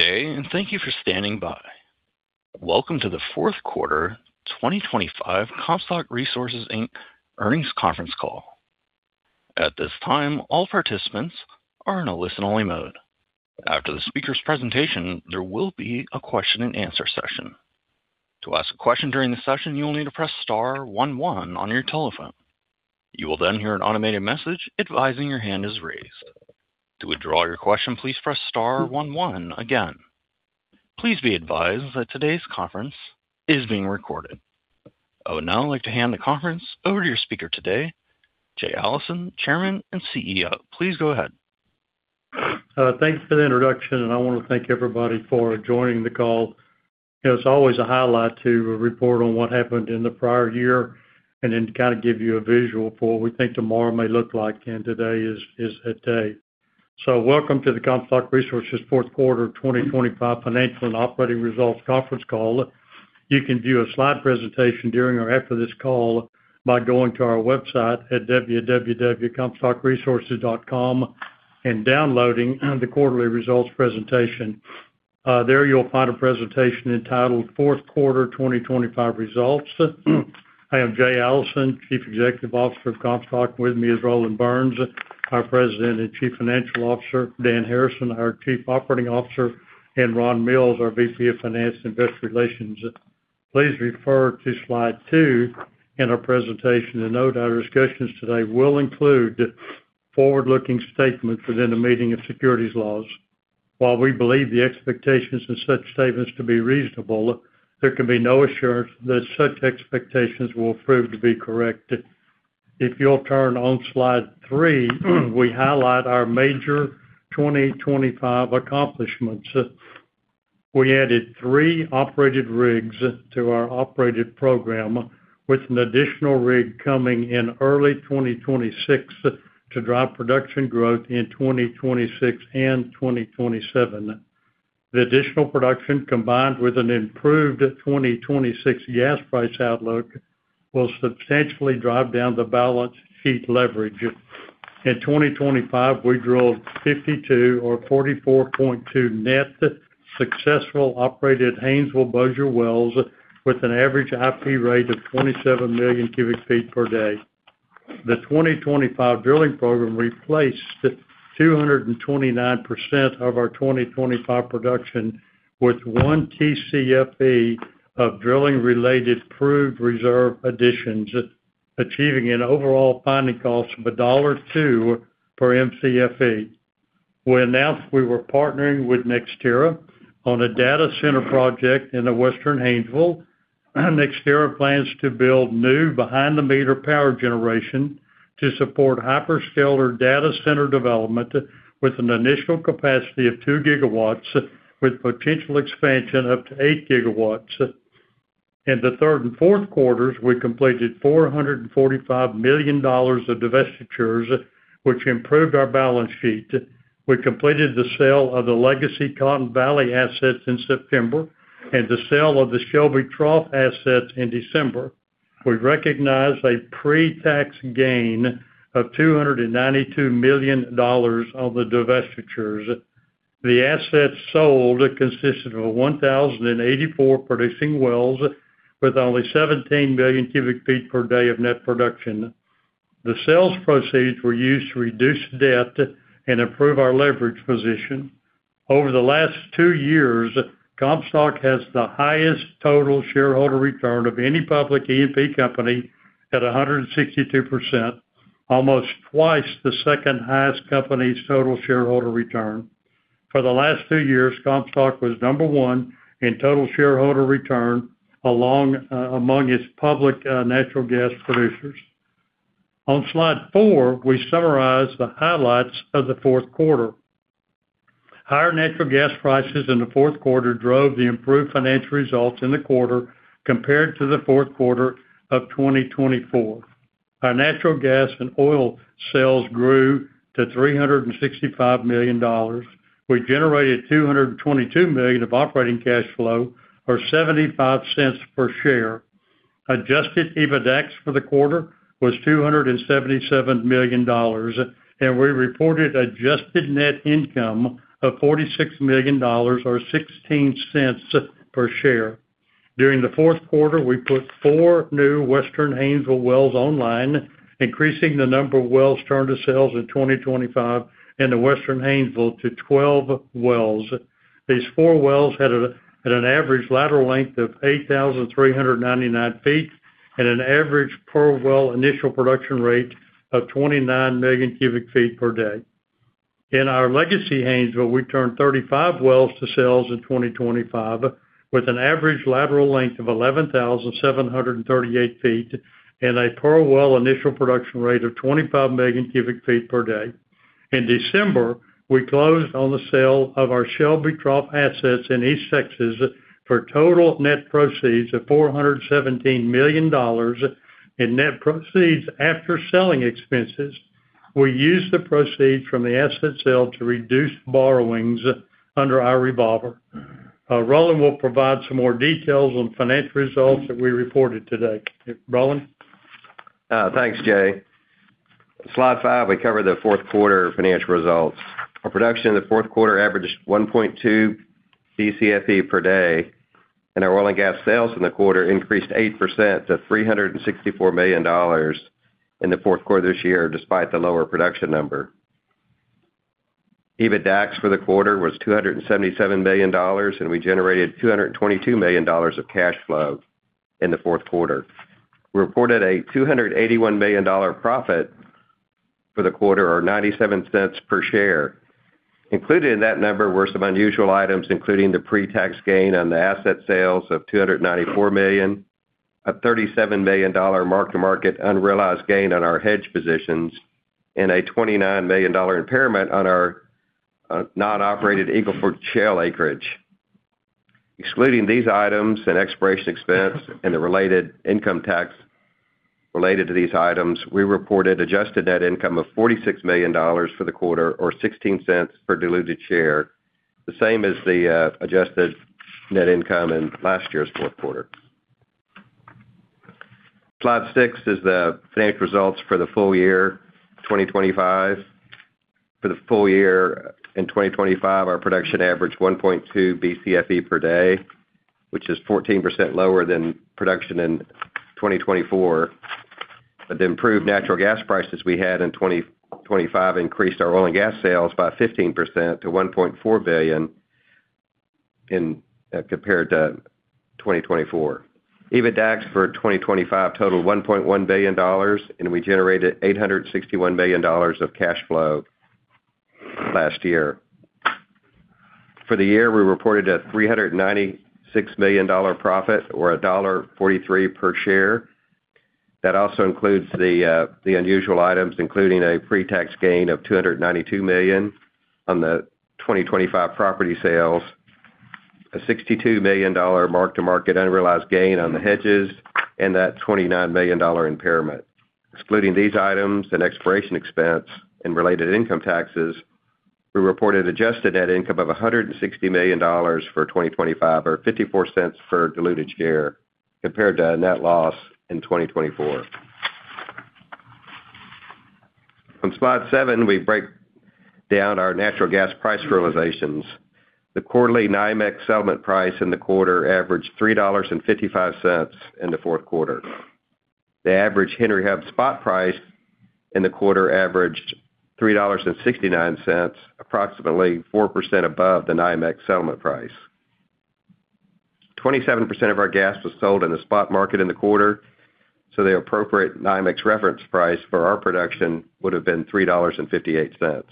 day, and thank you for standing by. Welcome to the fourth quarter 2025 Comstock Resources Inc earnings conference call. At this time, all participants are in a listen-only mode. After the speaker's presentation, there will be a question-and-answer session. To ask a question during the session, you will need to press star one one on your telephone. You will then hear an automated message advising your hand is raised. To withdraw your question, please press star one one again. Please be advised that today's conference is being recorded. I would now like to hand the conference over to your speaker today, Jay Allison, Chairman and CEO. Please go ahead. Thanks for the introduction, and I want to thank everybody for joining the call. It's always a highlight to report on what happened in the prior year and then kind of give you a visual for what we think tomorrow may look like, and today is that day. So welcome to the Comstock Resources fourth quarter 2025 financial and operating results conference call. You can view a slide presentation during or after this call by going to our website at www.comstockresources.com and downloading the quarterly results presentation. There you'll find a presentation entitled Fourth Quarter 2025 Results. I am Jay Allison, Chief Executive Officer of Comstock. With me is Roland Burns, our President and Chief Financial Officer, Dan Harrison, our Chief Operating Officer, and Ron Mills, our VP of Finance and Investor Relations. Please refer to slide two in our presentation to note our discussions today will include forward-looking statements within the meaning of securities laws. While we believe the expectations in such statements to be reasonable, there can be no assurance that such expectations will prove to be correct. If you'll turn to slide three, we highlight our major 2025 accomplishments. We added three operated rigs to our operated program, with an additional rig coming in early 2026 to drive production growth in 2026 and 2027. The additional production, combined with an improved 2026 gas price outlook, will substantially drive down the balance sheet leverage. In 2025, we drilled 52 or 44.2 net successful operated Haynesville Bossier wells, with an average IP rate of 27 million cu ft per day. The 2025 drilling program replaced 229% of our 2025 production, with 1 Tcfe of drilling-related proved reserve additions, achieving an overall finding cost of $1.02 per Mcfe. We announced we were partnering with NextEra on a data center project in the Western Haynesville. NextEra plans to build new behind the meter power generation to support hyperscaler data center development with an initial capacity of 2 GW, with potential expansion up to 8 GW. In the third and fourth quarters, we completed $445 million of divestitures, which improved our balance sheet. We completed the sale of the legacy Cotton Valley assets in September and the sale of the Shelby Trough assets in December. We recognized a pre-tax gain of $292 million on the divestitures. The assets sold consisted of 1,084 producing wells, with only 17 billion cu ft per day of net production. The sales proceeds were used to reduce debt and improve our leverage position. Over the last two years, Comstock has the highest total shareholder return of any public E&P company at 162%, almost twice the second highest company's total shareholder return. For the last two years, Comstock was number one in total shareholder return, along, among its public natural gas producers. On slide four, we summarize the highlights of the fourth quarter. Higher natural gas prices in the fourth quarter drove the improved financial results in the quarter compared to the fourth quarter of 2024. Our natural gas and oil sales grew to $365 million. We generated $222 million of operating cash flow, or $0.75 per share. Adjusted EBITDAX for the quarter was $277 million, and we reported adjusted net income of $46 million, or $0.16 per share. During the fourth quarter, we put four new Western Haynesville wells online, increasing the number of wells turned to sales in 2025 in the Western Haynesville to 12 wells. These four wells had an average lateral length of 8,399 ft and an average per well initial production rate of 29 million cu ft per day. In our legacy Haynesville, we turned 35 wells to sales in 2025, with an average lateral length of 11,738 ft and a per well initial production rate of 25 million cu ft per day. In December, we closed on the sale of our Shelby Trough assets in East Texas for total net proceeds of $417 million in net proceeds after selling expenses. We used the proceeds from the asset sale to reduce borrowings under our revolver. Roland will provide some more details on financial results that we reported today. Roland? Thanks, Jay.... Slide five, we cover the fourth quarter financial results. Our production in the fourth quarter averaged 1.2 Bcfe per day, and our oil and gas sales in the quarter increased 8% to $364 million in the fourth quarter this year, despite the lower production number. EBITDAX for the quarter was $277 million, and we generated $222 million of cash flow in the fourth quarter. We reported a $281 million profit for the quarter, or $0.97 per share. Included in that number were some unusual items, including the pretax gain on the asset sales of $294 million, a $37 million mark-to-market unrealized gain on our hedge positions, and a $29 million impairment on our, non-operated Eagle Ford Shale acreage. Excluding these items and exploration expense and the related income tax related to these items, we reported adjusted net income of $46 million for the quarter or $0.16 per diluted share, the same as the adjusted net income in last year's fourth quarter. Slide six is the financial results for the full year 2025. For the full year in 2025, our production averaged 1.2 Bcfe per day, which is 14% lower than production in 2024. But the improved natural gas prices we had in 2025 increased our oil and gas sales by 15% to $1.4 billion in compared to 2024. EBITDAX for 2025 totaled $1.1 billion, and we generated $861 million of cash flow last year. For the year, we reported a $396 million profit or $1.43 per share. That also includes the the unusual items, including a pretax gain of $292 million on the 2025 property sales, a $62 million mark-to-market unrealized gain on the hedges, and that $29 million impairment. Excluding these items and exploration expense and related income taxes, we reported adjusted net income of $160 million for 2025 or $0.54 per diluted share, compared to a net loss in 2024. On slide seven, we break down our natural gas price realizations. The quarterly NYMEX settlement price in the quarter averaged $3.55 in the fourth quarter. The average Henry Hub spot price in the quarter averaged $3.69, approximately 4% above the NYMEX settlement price. 27% of our gas was sold in the spot market in the quarter, so the appropriate NYMEX reference price for our production would have been $3.58.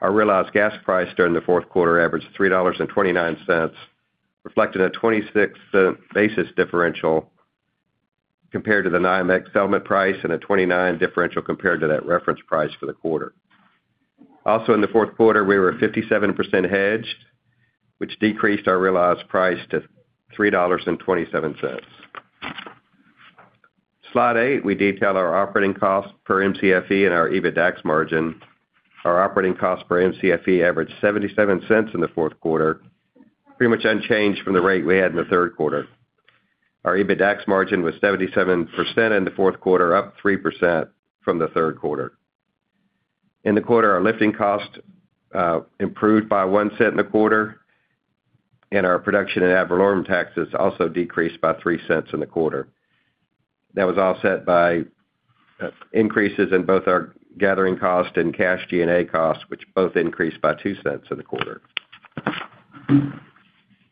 Our realized gas price during the fourth quarter averaged $3.29, reflecting a $0.26 basis differential compared to the NYMEX settlement price, and a $0.29 differential compared to that reference price for the quarter. Also, in the fourth quarter, we were 57% hedged, which decreased our realized price to $3.27. Slide eight, we detail our operating costs per Mcfe and our EBITDAX margin. Our operating cost per Mcfe averaged $0.77 in the fourth quarter, pretty much unchanged from the rate we had in the third quarter. Our EBITDAX margin was 77% in the fourth quarter, up 3% from the third quarter. In the quarter, our lifting cost improved by $0.01 in the quarter, and our production and ad valorem taxes also decreased by $0.03 in the quarter. That was all set by increases in both our gathering cost and cash G&A costs, which both increased by $0.02 in the quarter.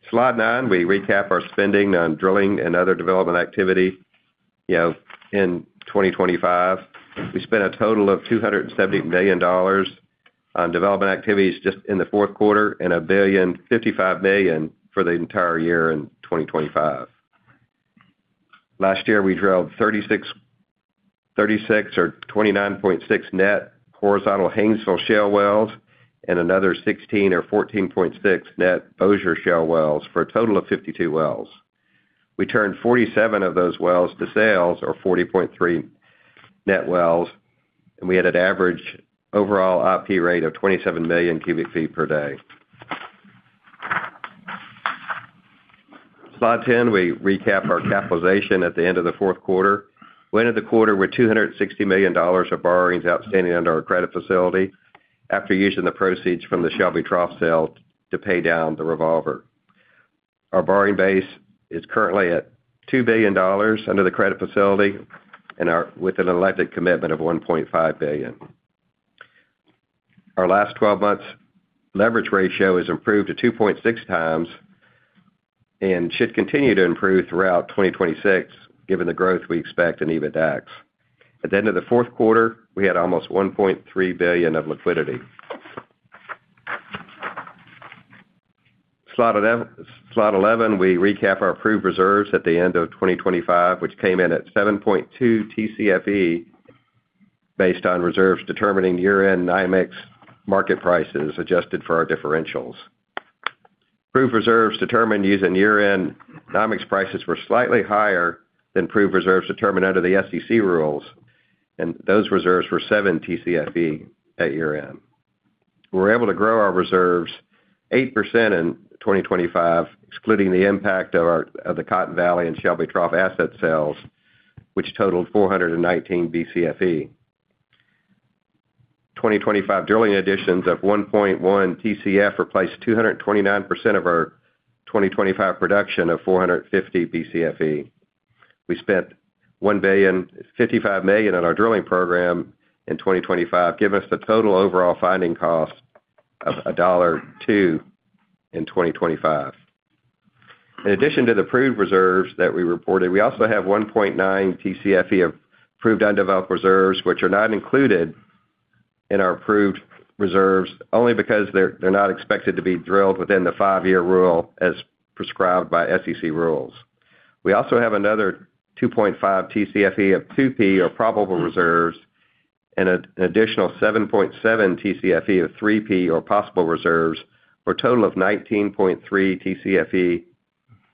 Slide nine, we recap our spending on drilling and other development activity. You know, in 2025, we spent a total of $270 million on development activities just in the fourth quarter and $1.055 billion for the entire year in 2025. Last year, we drilled 36 or 29.6 net horizontal Haynesville Shale wells and another 16 or 14.6 net Bossier Shale wells for a total of 52 wells. We turned 47 of those wells to sales or 40.3 net wells, and we had an average overall IP rate of 27 million cu ft per day. Slide 10, we recap our capitalization at the end of the fourth quarter. We ended the quarter with $260 million of borrowings outstanding under our credit facility after using the proceeds from the Shelby Trough sale to pay down the revolver. Our borrowing base is currently at $2 billion under the credit facility and our, with an elected commitment of $1.5 billion. Our last 12 months leverage ratio has improved to 2.6x and should continue to improve throughout 2026, given the growth we expect in EBITDAX. At the end of the fourth quarter, we had almost $1.3 billion of liquidity. Slide eleven, we recap our approved reserves at the end of 2025, which came in at 7.2 Tcfe, based on reserves determined using year-end NYMEX market prices, adjusted for our differentials. Approved reserves determined using year-end NYMEX prices were slightly higher than approved reserves determined under the SEC rules, and those reserves were 7 Tcfe at year-end. We were able to grow our reserves 8% in 2025, excluding the impact of the Cotton Valley and Shelby Trough asset sales, which totaled 419 Bcfe. 2025 drilling additions of 1.1 Tcfe replaced 229% of our 2025 production of 450 Bcfe. We spent $1,055 million on our drilling program in 2025, giving us the total overall finding cost of $1.02 in 2025. In addition to the proved reserves that we reported, we also have 1.9 Tcfe of proved undeveloped reserves, which are not included in our proved reserves, only because they're not expected to be drilled within the five-year rule as prescribed by SEC rules. We also have another 2.5 Tcfe of 2P, or probable reserves, and an additional 7.7 Tcfe of 3P, or possible reserves, for a total of 19.3 Tcfe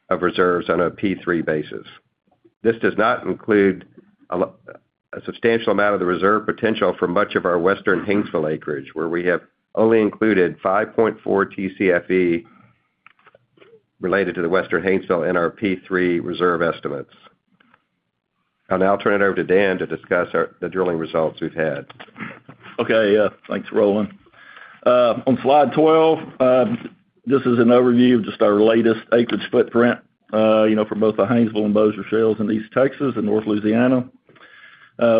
of reserves on a P3 basis. This does not include a substantial amount of the reserve potential for much of our Western Haynesville acreage, where we have only included 5.4 Tcfe related to the Western Haynesville in our P3 reserve estimates. I'll now turn it over to Dan to discuss the drilling results we've had. Okay, yeah. Thanks, Roland. On slide 12, this is an overview of just our latest acreage footprint, you know, for both the Haynesville and Bossier Shales in East Texas and North Louisiana.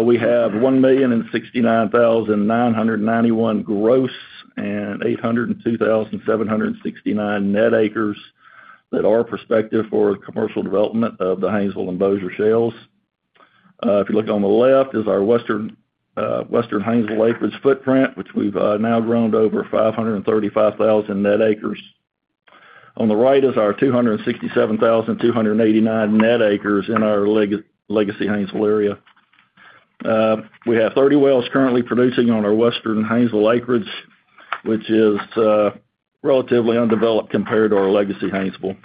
We have 1,069,991 gross, and 802,769 net acres that are prospective for commercial development of the Haynesville and Bossier Shales. If you look on the left, is our Western Haynesville acreage footprint, which we've now grown to over 535,000 net acres. On the right is our 267,289 net acres in our Legacy Haynesville area. We have 30 wells currently producing on our Western Haynesville acreage, which is relatively undeveloped compared to our legacy Haynesville.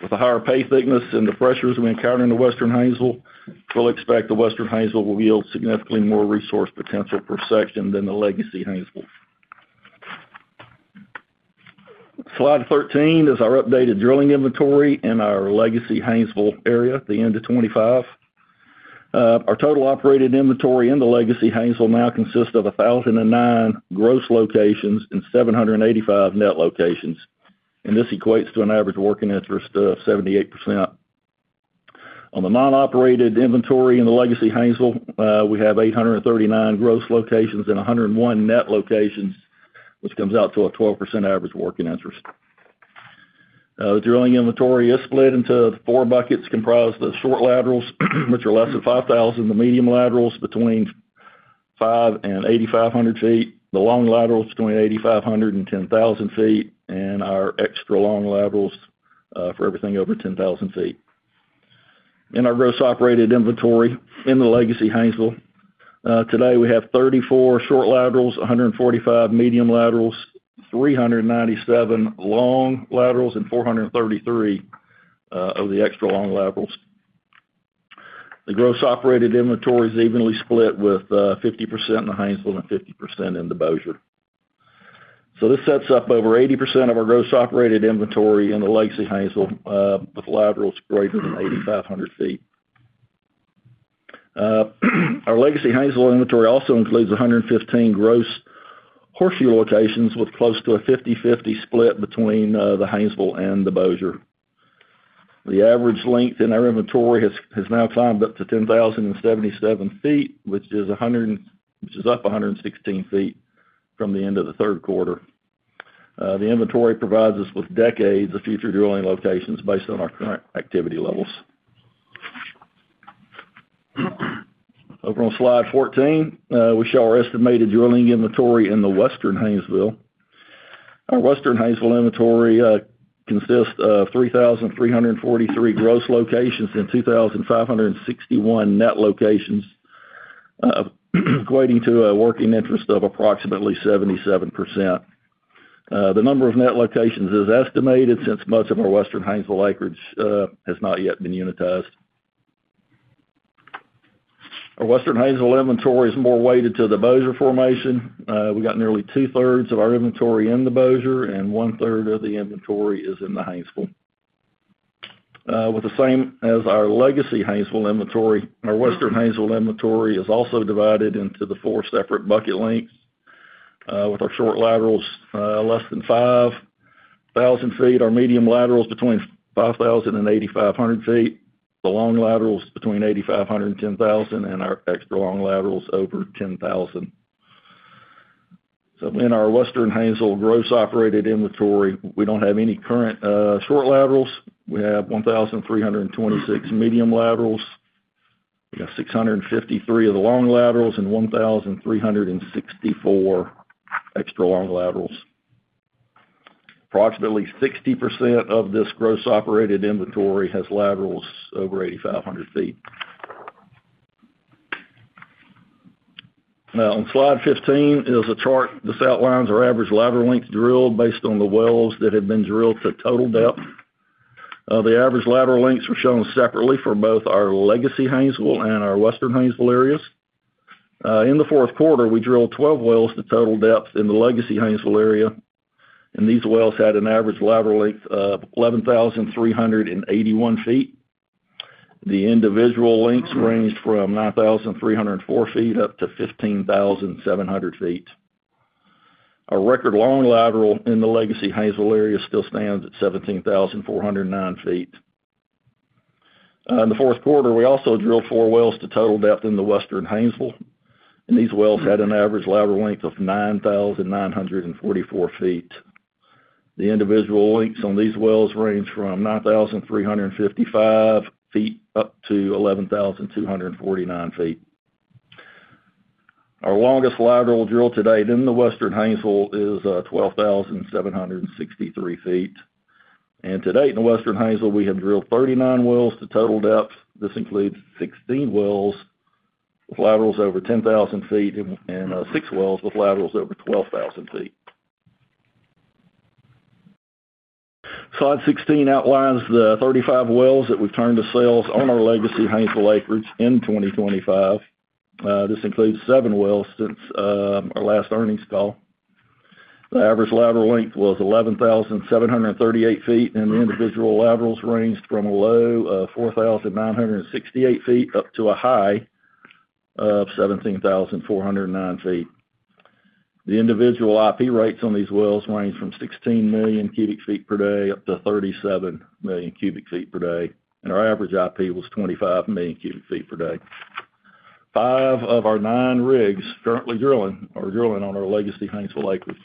With the higher pay thickness and the pressures we encounter in the Western Haynesville, we'll expect the Western Haynesville will yield significantly more resource potential per section than the legacy Haynesville. Slide 13 is our updated drilling inventory in our legacy Haynesville area at the end of 2025. Our total operated inventory in the legacy Haynesville now consists of 1,009 gross locations and 785 net locations, and this equates to an average working interest of 78%. On the non-operated inventory in the legacy Haynesville, we have 839 gross locations and 101 net locations, which comes out to a 12% average working interest. The drilling inventory is split into four buckets, comprised of short laterals, which are less than 5,000, the medium laterals between 5,000 ft and 8,500 ft, the long laterals between 8,500 ft and 10,000 ft, and our extra-long laterals for everything over 10,000 ft. In our gross operated inventory in the legacy Haynesville today, we have 34 short laterals, 145 medium laterals, 397 long laterals, and 433 of the extra-long laterals. The gross operated inventory is evenly split, with 50% in the Haynesville and 50% in the Bossier. So this sets up over 80% of our gross operated inventory in the legacy Haynesville with laterals greater than 8,500 ft. Our legacy Haynesville inventory also includes 115 gross horseshoe locations, with close to a 50/50 split between the Haynesville and the Bossier. The average length in our inventory has now climbed up to 10,077 ft, which is up 116 ft from the end of the third quarter. The inventory provides us with decades of future drilling locations based on our current activity levels. Over on Slide 14, we show our estimated drilling inventory in the Western Haynesville. Our Western Haynesville inventory consists of 3,343 gross locations and 2,561 net locations, equating to a working interest of approximately 77%. The number of net locations is estimated, since most of our Western Haynesville acreage has not yet been unitized. Our Western Haynesville inventory is more weighted to the Bossier formation. We got nearly 2/3 of our inventory in the Bossier, and 1/3 ftof the inventory is in the Haynesville. With the same as our legacy Haynesville inventory, our Western Haynesville inventory is also divided into the four separate bucket lengths, with our short laterals less than 5,000 ft, our medium laterals between 5,000 ft and 8,500 ft, the long laterals between 8,500 ft and 10,000 ft, and our extra long laterals over 10,000 ft. So in our Western Haynesville gross operated inventory, we don't have any current short laterals. We have 1,326 medium laterals. We have 653 of the long laterals and 1,364 extra-long laterals. Approximately 60% of this gross operated inventory has laterals over 8,500 ft. Now, on Slide 15 is a chart that outlines our average lateral length drilled based on the wells that have been drilled to total depth. The average lateral lengths are shown separately for both our Legacy Haynesville and our Western Haynesville areas. In the fourth quarter, we drilled 12 wells to total depth in the Legacy Haynesville area, and these wells had an average lateral length of 11,381 ft. The individual lengths ranged from 9,304 ft up to 15,700 ft. Our record long lateral in the Legacy Haynesville area still stands at 17,409 ft. In the fourth quarter, we also drilled four wells to total depth in the Western Haynesville, and these wells had an average lateral length of 9,944 ft. The individual lengths on these wells range from 9,355 ft up to 11,249 ft. Our longest lateral drilled to date in the Western Haynesville is 12,763 ft. To date, in the Western Haynesville, we have drilled 39 wells to total depth. This includes 16 wells with laterals over 10,000 ft and six wells with laterals over 12,000 ft. Slide 16 outlines the 35 wells that we've turned to sales on our Legacy Haynesville acreage in 2025. This includes seven wells since our last earnings call. The average lateral length was 11,738 ft, and the individual laterals ranged from a low of 4,968 ft, up to a high of 17,409 ft. The individual IP rates on these wells range from 16 million cu ft per day up to 37 million cu ft per day, and our average IP was 25 million cu ft per day. Five of our nine rigs currently drilling are drilling on our Legacy Haynesville acreage.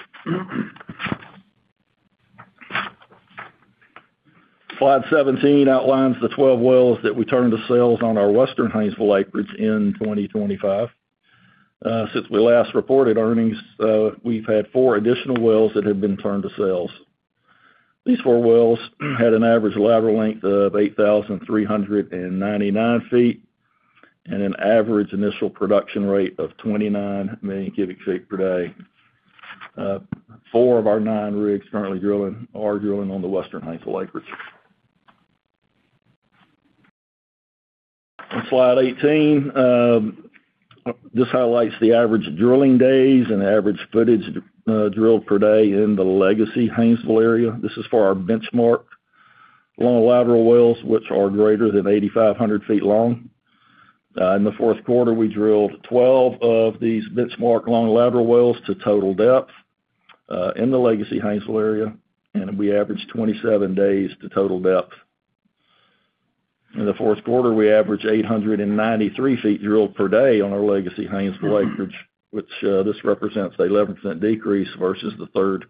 Slide 17 outlines the 12 wells that we turned to sales on our Western Haynesville acreage in 2025. Since we last reported earnings, we've had four additional wells that have been turned to sales. These four wells had an average lateral length of 8,399 ft and an average initial production rate of 29 million cu ft per day. Four of our nine rigs currently drilling are drilling on the Western Haynesville acreage. On slide 18, this highlights the average drilling days and average footage drilled per day in the Legacy Haynesville area. This is for our benchmark long lateral wells, which are greater than 8,500 ft long. In the fourth quarter, we drilled 12 of these benchmark long lateral wells to total depth in the Legacy Haynesville area, and we averaged 27 days to total depth. In the fourth quarter, we averaged 893 ft drilled per day on our Legacy Haynesville acreage, which this represents an 11% decrease versus the third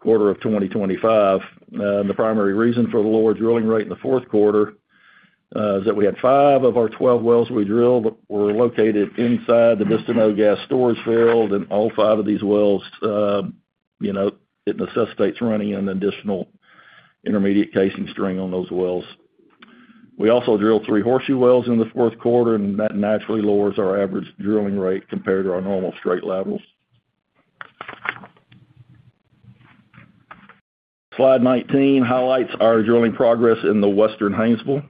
quarter of 2025. The primary reason for the lower drilling rate in the fourth quarter is that we had five of our 12 wells we drilled were located inside the Bistineau Gas Storage Field, and all five of these wells, you know, it necessitates running an additional intermediate casing string on those wells. We also drilled three horseshoe wells in the fourth quarter, and that naturally lowers our average drilling rate compared to our normal straight laterals. Slide 19 highlights our drilling progress in the Western Haynesville.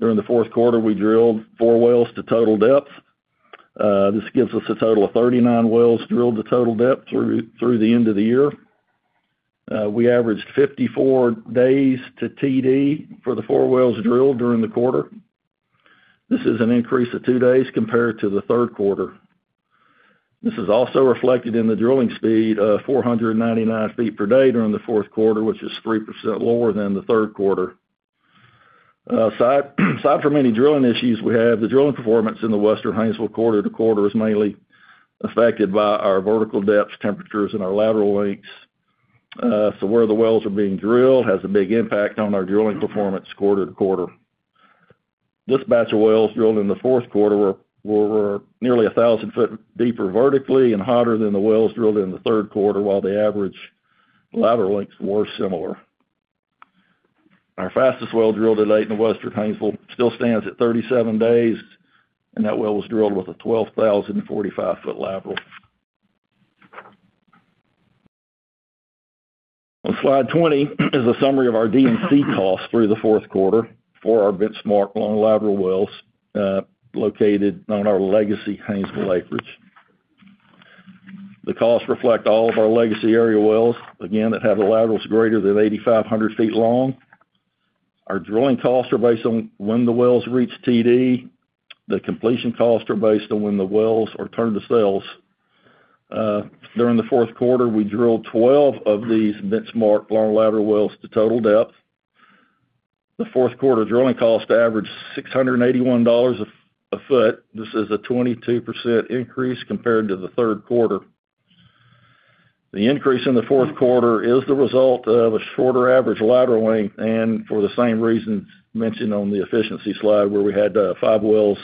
During the fourth quarter, we drilled four wells to total depth. This gives us a total of 39 wells drilled to total depth through the end of the year. We averaged 54 days to TD for the four wells drilled during the quarter. This is an increase of two days compared to the third quarter. This is also reflected in the drilling speed of 499 ft per day during the fourth quarter, which is 3% lower than the third quarter. Aside from any drilling issues we have, the drilling performance in the Western Haynesville quarter to quarter is mainly affected by our vertical depths, temperatures, and our lateral lengths. So where the wells are being drilled has a big impact on our drilling performance quarter to quarter. This batch of wells drilled in the fourth quarter were nearly a 1,000 foot deeper vertically and hotter than the wells drilled in the third quarter, while the average lateral lengths were similar. Our fastest well drilled to date in the Western Haynesville still stands at 37 days, and that well was drilled with a 12,045 foot lateral. On slide 20 is a summary of our D&C costs through the fourth quarter for our benchmark long lateral wells located on our Legacy Haynesville acreage. The costs reflect all of our Legacy area wells, again, that have the laterals greater than 8,500 ft long. Our drilling costs are based on when the wells reach TD. The completion costs are based on when the wells are turned to sales. During the fourth quarter, we drilled 12 of these benchmark long lateral wells to total depth. The fourth quarter drilling cost averaged $681 a foot. This is a 22% increase compared to the third quarter. The increase in the fourth quarter is the result of a shorter average lateral length and for the same reasons mentioned on the efficiency slide, where we had five wells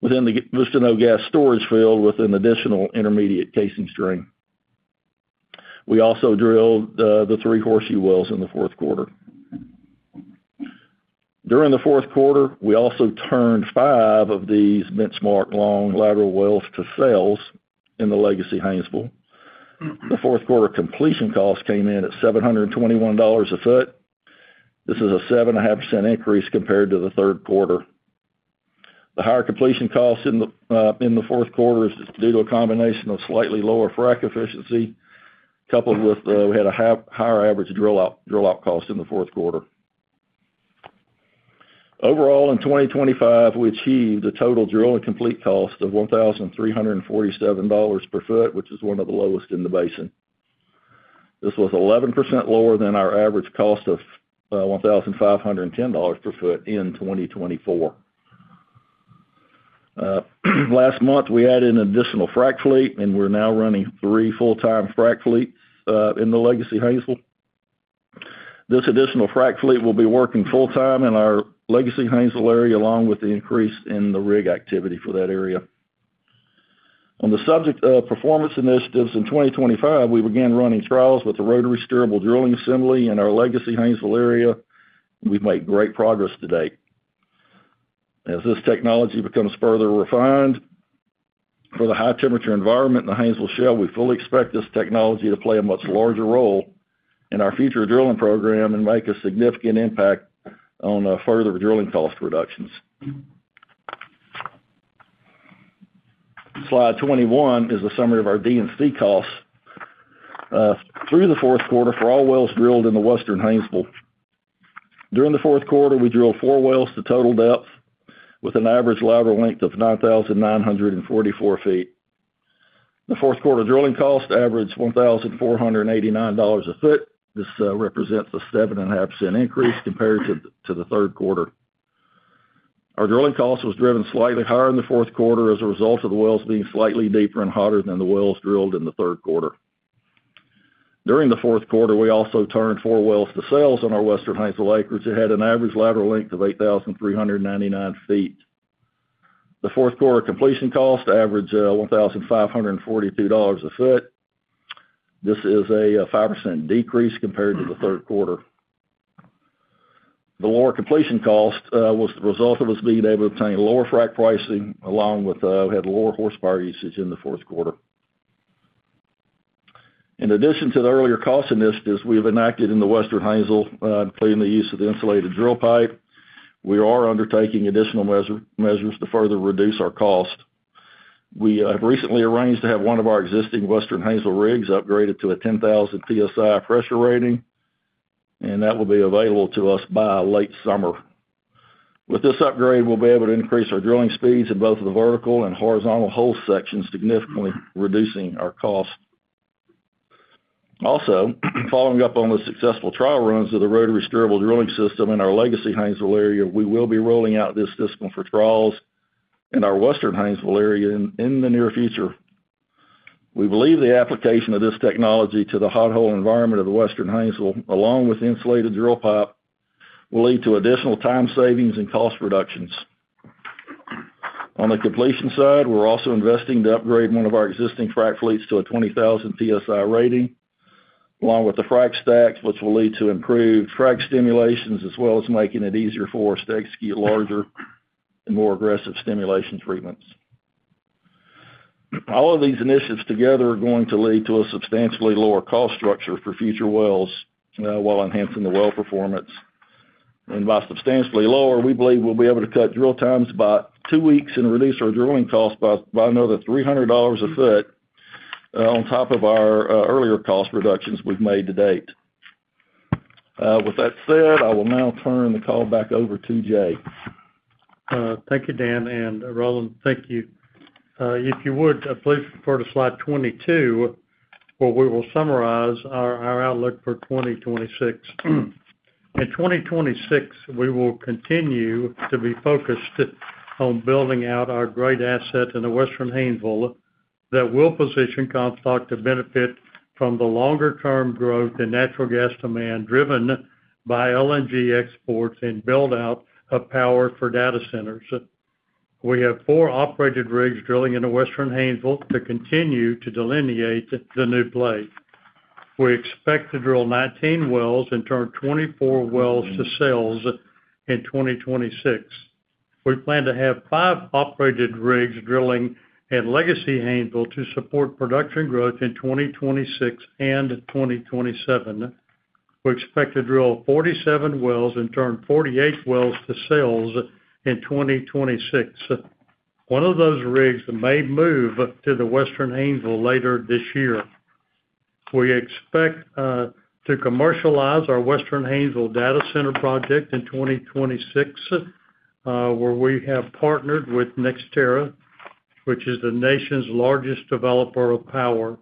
within the Vistano Gas Storage Field with an additional intermediate casing string. We also drilled the three Horseshoe wells in the fourth quarter. During the fourth quarter, we also turned five of these benchmark long lateral wells to sales in the Legacy Haynesville. The fourth quarter completion cost came in at $721 a foot. This is a 7.5% increase compared to the third quarter. The higher completion costs in the fourth quarter is due to a combination of slightly lower frack efficiency, coupled with we had a higher average drill out cost in the fourth quarter. Overall, in 2025, we achieved a total drill and complete cost of $1,347 per foot, which is one of the lowest in the basin. This was 11% lower than our average cost of $1,510 per foot in 2024. Last month, we added an additional Frack Fleet, and we're now running three full-time Frack Fleets in the Legacy Haynesville. This additional Frack Fleet will be working full-time in our Legacy Haynesville area, along with the increase in the rig activity for that area. On the subject of performance initiatives, in 2025, we began running trials with the rotary steerable drilling assembly in our Legacy Haynesville area. We've made great progress to date. As this technology becomes further refined for the high-temperature environment in the Haynesville Shale, we fully expect this technology to play a much larger role in our future drilling program and make a significant impact on further drilling cost reductions. Slide 21 is a summary of our D&C costs through the fourth quarter for all wells drilled in the Western Haynesville. During the fourth quarter, we drilled four wells to total depth, with an average lateral length of 9,944 ft. The fourth quarter drilling cost averaged $1,489 a foot. This represents a 7.5% increase compared to the third quarter. Our drilling cost was driven slightly higher in the fourth quarter as a result of the wells being slightly deeper and hotter than the wells drilled in the third quarter. During the fourth quarter, we also turned four wells to sales on our Western Haynesville acreage. It had an average lateral length of 8,399 ft. The fourth quarter completion cost averaged $1,542 a foot. This is a 5% decrease compared to the third quarter. The lower completion cost was the result of us being able to obtain lower frack pricing, along with we had lower horsepower usage in the fourth quarter. In addition to the earlier cost initiatives we have enacted in the Western Haynesville, including the use of the insulated drill pipe, we are undertaking additional measures to further reduce our cost. We recently arranged to have one of our existing Western Haynesville rigs upgraded to a 10,000 PSI pressure rating, and that will be available to us by late summer. With this upgrade, we'll be able to increase our drilling speeds in both the vertical and horizontal hole sections, significantly reducing our cost. Also, following up on the successful trial runs of the Rotary Steerable drilling system in our Legacy Haynesville area, we will be rolling out this system for trials in our Western Haynesville area in the near future. We believe the application of this technology to the hot hole environment of the Western Haynesville, along with Insulated Drill Pipe, will lead to additional time savings and cost reductions. On the completion side, we're also investing to upgrade one of our existing frack fleets to a 20,000 PSI rating, along with the frack stacks, which will lead to improved frack stimulations as well as making it easier for us to execute larger and more aggressive stimulation treatments. All of these initiatives together are going to lead to a substantially lower cost structure for future wells, while enhancing the well performance. And by substantially lower, we believe we'll be able to cut drill times by two weeks and reduce our drilling costs by another $300 a foot, on top of our earlier cost reductions we've made to date. With that said, I will now turn the call back over to Jay. Thank you, Dan, and Roland, thank you. If you would, please refer to slide 22, where we will summarize our outlook for 2026. In 2026, we will continue to be focused on building out our great asset in the Western Haynesville that will position Comstock to benefit from the longer-term growth in natural gas demand, driven by LNG exports and build-out of power for data centers. We have four operated rigs drilling in the Western Haynesville to continue to delineate the new play. We expect to drill 19 wells and turn 24 wells to sales in 2026. We plan to have five operated rigs drilling in Legacy Haynesville to support production growth in 2026 and 2027. We expect to drill 47 wells and turn 48 wells to sales in 2026. One of those rigs may move to the Western Haynesville later this year. We expect to commercialize our Western Haynesville data center project in 2026, where we have partnered with NextEra, which is the nation's largest developer of power.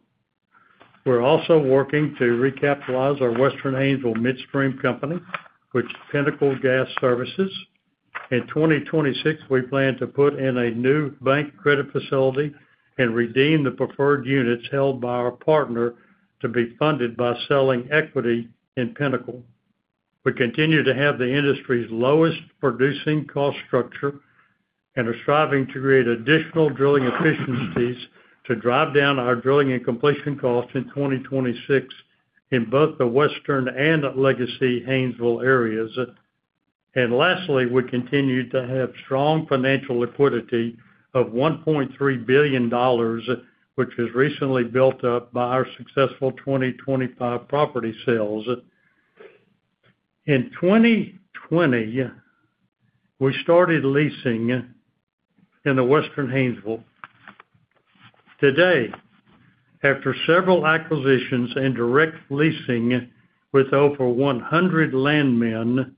We're also working to recapitalize our Western Haynesville midstream company, which is Pinnacle Gas Services. In 2026, we plan to put in a new bank credit facility and redeem the preferred units held by our partner to be funded by selling equity in Pinnacle. We continue to have the industry's lowest producing cost structure and are striving to create additional drilling efficiencies to drive down our drilling and completion costs in 2026 in both the Western and Legacy Haynesville areas. And lastly, we continue to have strong financial liquidity of $1.3 billion, which was recently built up by our successful 2025 property sales. In 2020, we started leasing in the Western Haynesville. Today, after several acquisitions and direct leasing with over 100 landmen,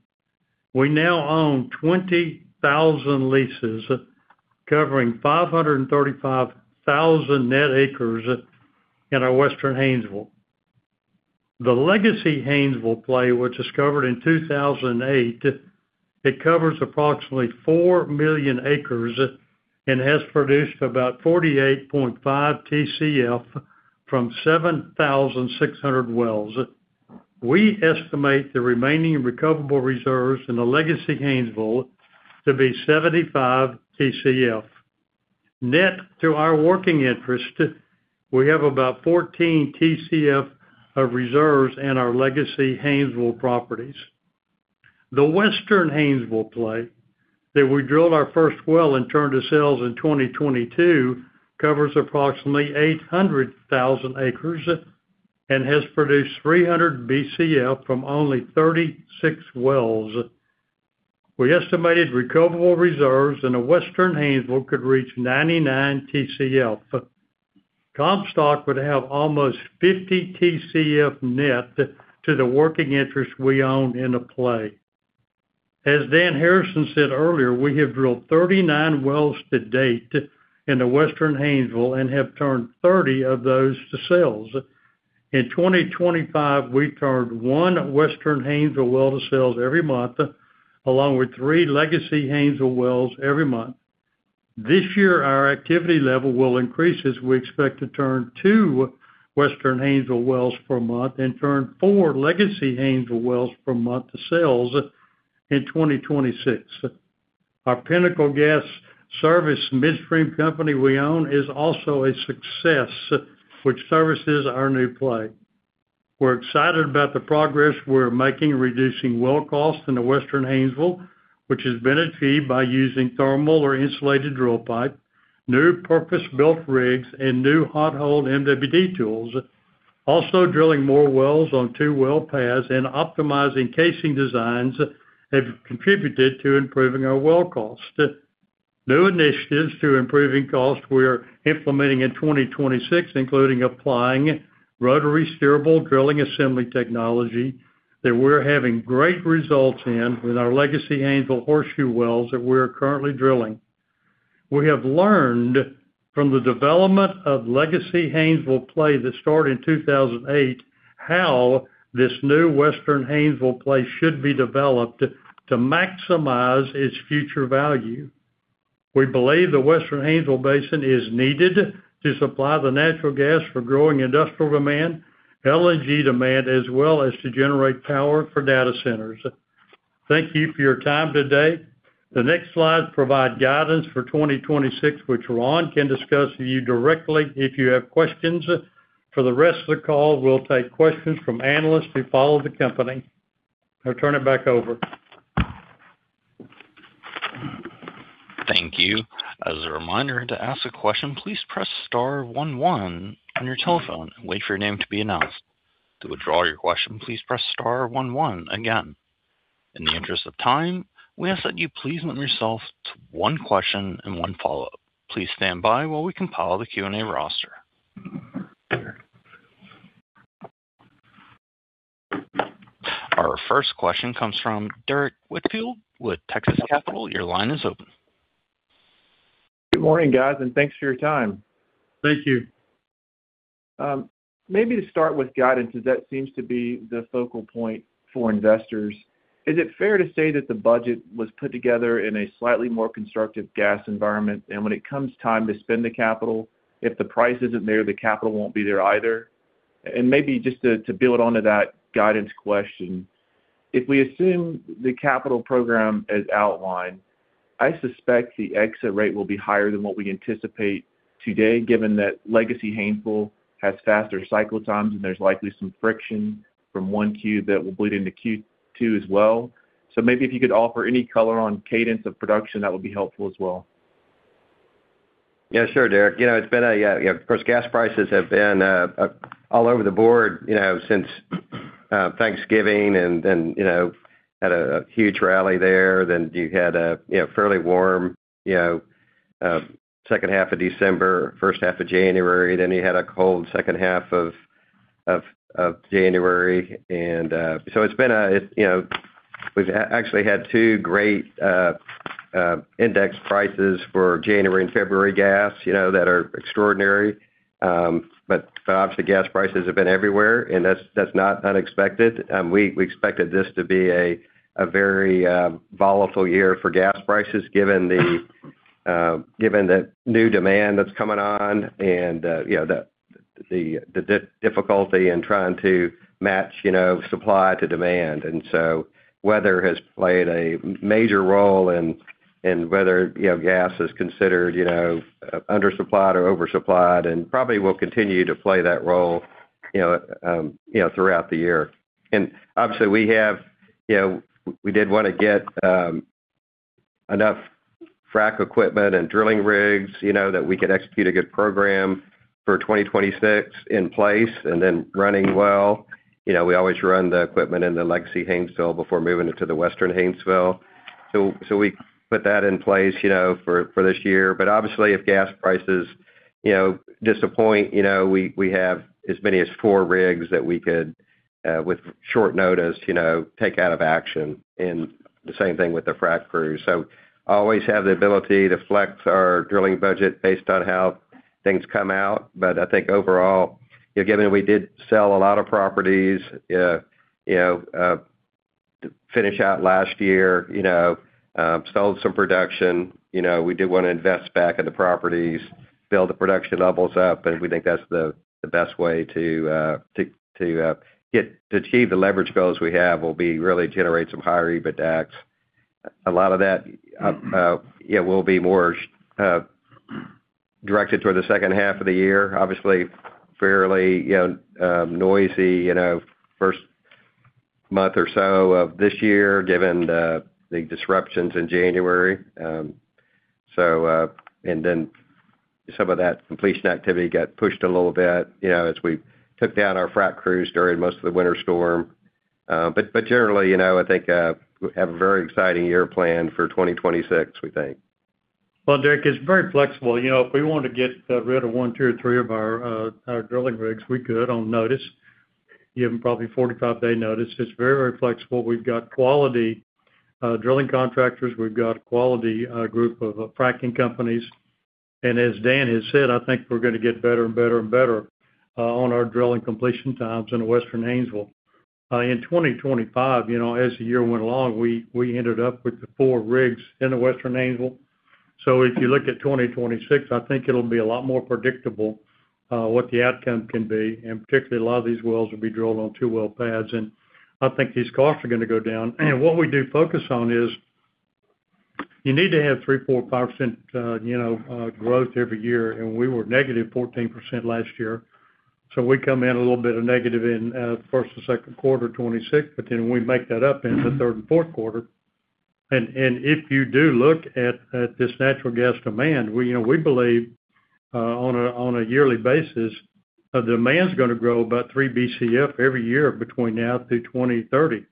we now own 20,000 leases covering 535,000 net acres in our Western Haynesville. The Legacy Haynesville play was discovered in 2008. It covers approximately 4 million acres and has produced about 48.5 TCF from 7,600 wells. We estimate the remaining recoverable reserves in the Legacy Haynesville to be 75 TCF. Net to our working interest, we have about 14 TCF of reserves in our Legacy Haynesville properties. The Western Haynesville play, that we drilled our first well and turned to sales in 2022, covers approximately 800,000 acres and has produced 300 BCF from only 36 wells. We estimated recoverable reserves in the Western Haynesville could reach 99 TCF. Comstock would have almost 50 TCF net to the working interest we own in the play. As Dan Harrison said earlier, we have drilled 39 wells to date in the Western Haynesville and have turned 30 of those to sales. In 2025, we turned one Western Haynesville well to sales every month, along with three Legacy Haynesville wells every month. This year, our activity level will increase as we expect to turn two Western Haynesville wells per month and turn four Legacy Haynesville wells per month to sales in 2026. Our Pinnacle Gas Services midstream company we own is also a success, which services our new play. We're excited about the progress we're making, reducing well costs in the Western Haynesville, which has been achieved by using thermal or insulated drill pipe, new purpose-built rigs, and new hot hole MWD tools. Also, drilling more wells on two well pads and optimizing casing designs have contributed to improving our well costs. New initiatives to improving costs we are implementing in 2026, including applying rotary steerable drilling assembly technology, that we're having great results in with our Legacy Haynesville Horseshoe wells that we are currently drilling. We have learned from the development of Legacy Haynesville play that started in 2008, how this new Western Haynesville play should be developed to maximize its future value. We believe the Western Haynesville Basin is needed to supply the natural gas for growing industrial demand, LNG demand, as well as to generate power for data centers. Thank you for your time today. The next slides provide guidance for 2026, which Ron can discuss with you directly if you have questions. For the rest of the call, we'll take questions from analysts who follow the company. I'll turn it back over. Thank you. As a reminder, to ask a question, please press star one one on your telephone and wait for your name to be announced. To withdraw your question, please press star one one again. In the interest of time, we ask that you please limit yourself to one question and one follow-up. Please stand by while we compile the Q&A roster. Our first question comes from Derrick Whitfield with Texas Capital. Your line is open. Good morning, guys, and thanks for your time. Thank you. Maybe to start with guidance, 'cause that seems to be the focal point for investors. Is it fair to say that the budget was put together in a slightly more constructive gas environment, and when it comes time to spend the capital, if the price isn't there, the capital won't be there either? And maybe just to build onto that guidance question, if we assume the capital program as outlined, I suspect the exit rate will be higher than what we anticipate today, given that Legacy Haynesville has faster cycle times, and there's likely some friction from 1Q that will bleed into Q2 as well. So maybe if you could offer any color on cadence of production, that would be helpful as well. Yeah, sure, Derrick. You know, it's been of course, gas prices have been all over the board, you know, since Thanksgiving, and then, you know, had a huge rally there. Then you had a, you know, fairly warm, you know, second half of December, first half of January, then you had a cold second half of January. And so it's been, you know, we've actually had two great index prices for January and February gas, you know, that are extraordinary. But, but obviously, gas prices have been everywhere, and that's not unexpected. We expected this to be a very volatile year for gas prices, given the given the new demand that's coming on and, you know, the... the difficulty in trying to match, you know, supply to demand. And so weather has played a major role in, in whether, you know, gas is considered, you know, undersupplied or oversupplied, and probably will continue to play that role, you know, throughout the year. And obviously, we have, you know, we did want to get enough frack equipment and drilling rigs, you know, that we could execute a good program for 2026 in place and then running well. You know, we always run the equipment in the Legacy Haynesville before moving it to the Western Haynesville. So we put that in place, you know, for this year. But obviously, if gas prices, you know, disappoint, you know, we, we have as many as four rigs that we could, with short notice, you know, take out of action, and the same thing with the frack crews. So always have the ability to flex our drilling budget based on how things come out. But I think overall, you know, given we did sell a lot of properties, you know, to finish out last year, you know, sold some production, you know, we do want to invest back in the properties, build the production levels up, and we think that's the best way to achieve the leverage goals we have, will be really generate some higher EBITDAX. A lot of that, yeah, will be more directed toward the second half of the year. Obviously, fairly noisy, you know, first month or so of this year, given the disruptions in January. So, and then some of that completion activity got pushed a little bit, you know, as we took down our frack crews during most of the winter storm. But generally, you know, I think we have a very exciting year planned for 2026, we think. Well, Derek, it's very flexible. You know, if we want to get rid of one, two, or three of our our drilling rigs, we could, on notice, give them probably 45-day notice. It's very, very flexible. We've got quality drilling contractors. We've got a quality group of fracking companies. And as Dan has said, I think we're going to get better and better and better on our drilling completion times in the Western Haynesville. In 2025, you know, as the year went along, we, we ended up with the four rigs in the Western Haynesville. So if you look at 2026, I think it'll be a lot more predictable what the outcome can be, and particularly, a lot of these wells will be drilled on two well pads, and I think these costs are going to go down. And what we do focus on is, you need to have 3%, 4%, 5%, you know, growth every year, and we were -14% last year. So we come in a little bit of negative in first and second quarter of 2026, but then we make that up in the third and fourth quarter. And if you do look at this natural gas demand, we, you know, we believe, on a yearly basis, demand's going to grow about 3 Bcf every year between now through 2030.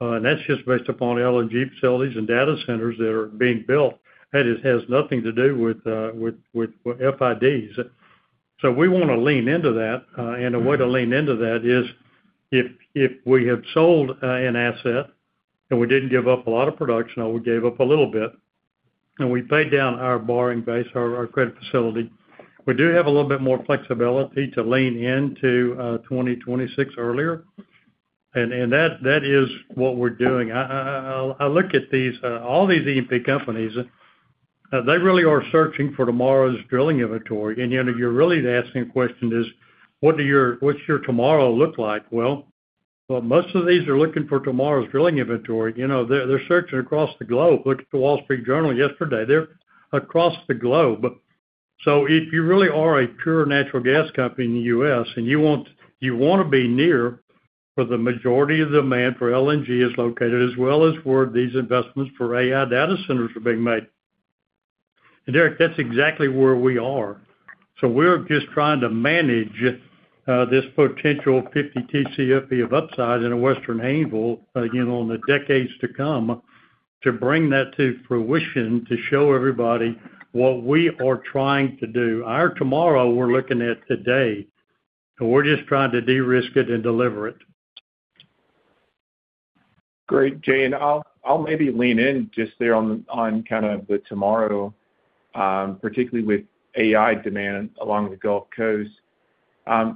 And that's just based upon LNG facilities and data centers that are being built. That just has nothing to do with FIDs. So we want to lean into that, and the way to lean into that is if we have sold an asset and we didn't give up a lot of production, or we gave up a little bit, and we paid down our borrowing base, our credit facility, we do have a little bit more flexibility to lean into 2026 earlier. And that is what we're doing. I look at these all these E&P companies, they really are searching for tomorrow's drilling inventory. And, you know, you're really asking the question is, what do your-- what's your tomorrow look like? Well, most of these are looking for tomorrow's drilling inventory. You know, they're searching across the globe. Look at the Wall Street Journal yesterday. They're across the globe. So if you really are a pure natural gas company in the U.S., and you want, you want to be near where the majority of the demand for LNG is located, as well as where these investments for AI data centers are being made. And, Derek, that's exactly where we are. So we're just trying to manage this potential 50 Tcfe of upside in a Western Haynesville, you know, in the decades to come, to bring that to fruition, to show everybody what we are trying to do. Our tomorrow, we're looking at today, and we're just trying to de-risk it and deliver it. Great, Jay, and I'll, I'll maybe lean in just there on, on kind of the tomorrow, particularly with AI demand along the Gulf Coast.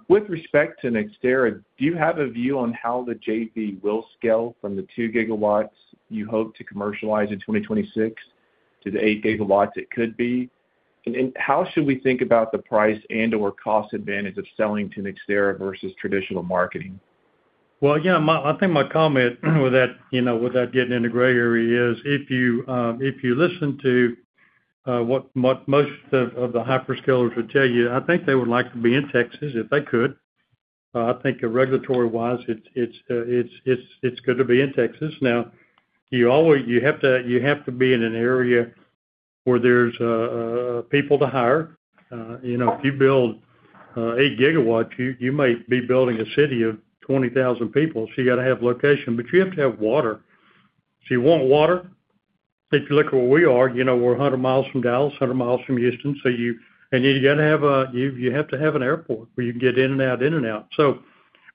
With respect to NextEra, do you have a view on how the JV will scale from the 2 GW you hope to commercialize in 2026 to the 8 GW it could be? And, and how should we think about the price and/or cost advantage of selling to NextEra versus traditional marketing? Well, yeah, my... I think my comment without, you know, without getting into gray area is, if you listen to what most of the hyperscalers would tell you, I think they would like to be in Texas if they could. I think regulatory-wise, it's good to be in Texas. Now, you always, you have to be in an area where there's people to hire. You know, if you build 8 GW, you might be building a city of 20,000 people, so you got to have location, but you have to have water. If you want water, if you look where we are, you know, we're 100 mi from Dallas, 100 mi from Houston, so you and you got to have a you, you have to have an airport where you can get in and out, in and out. So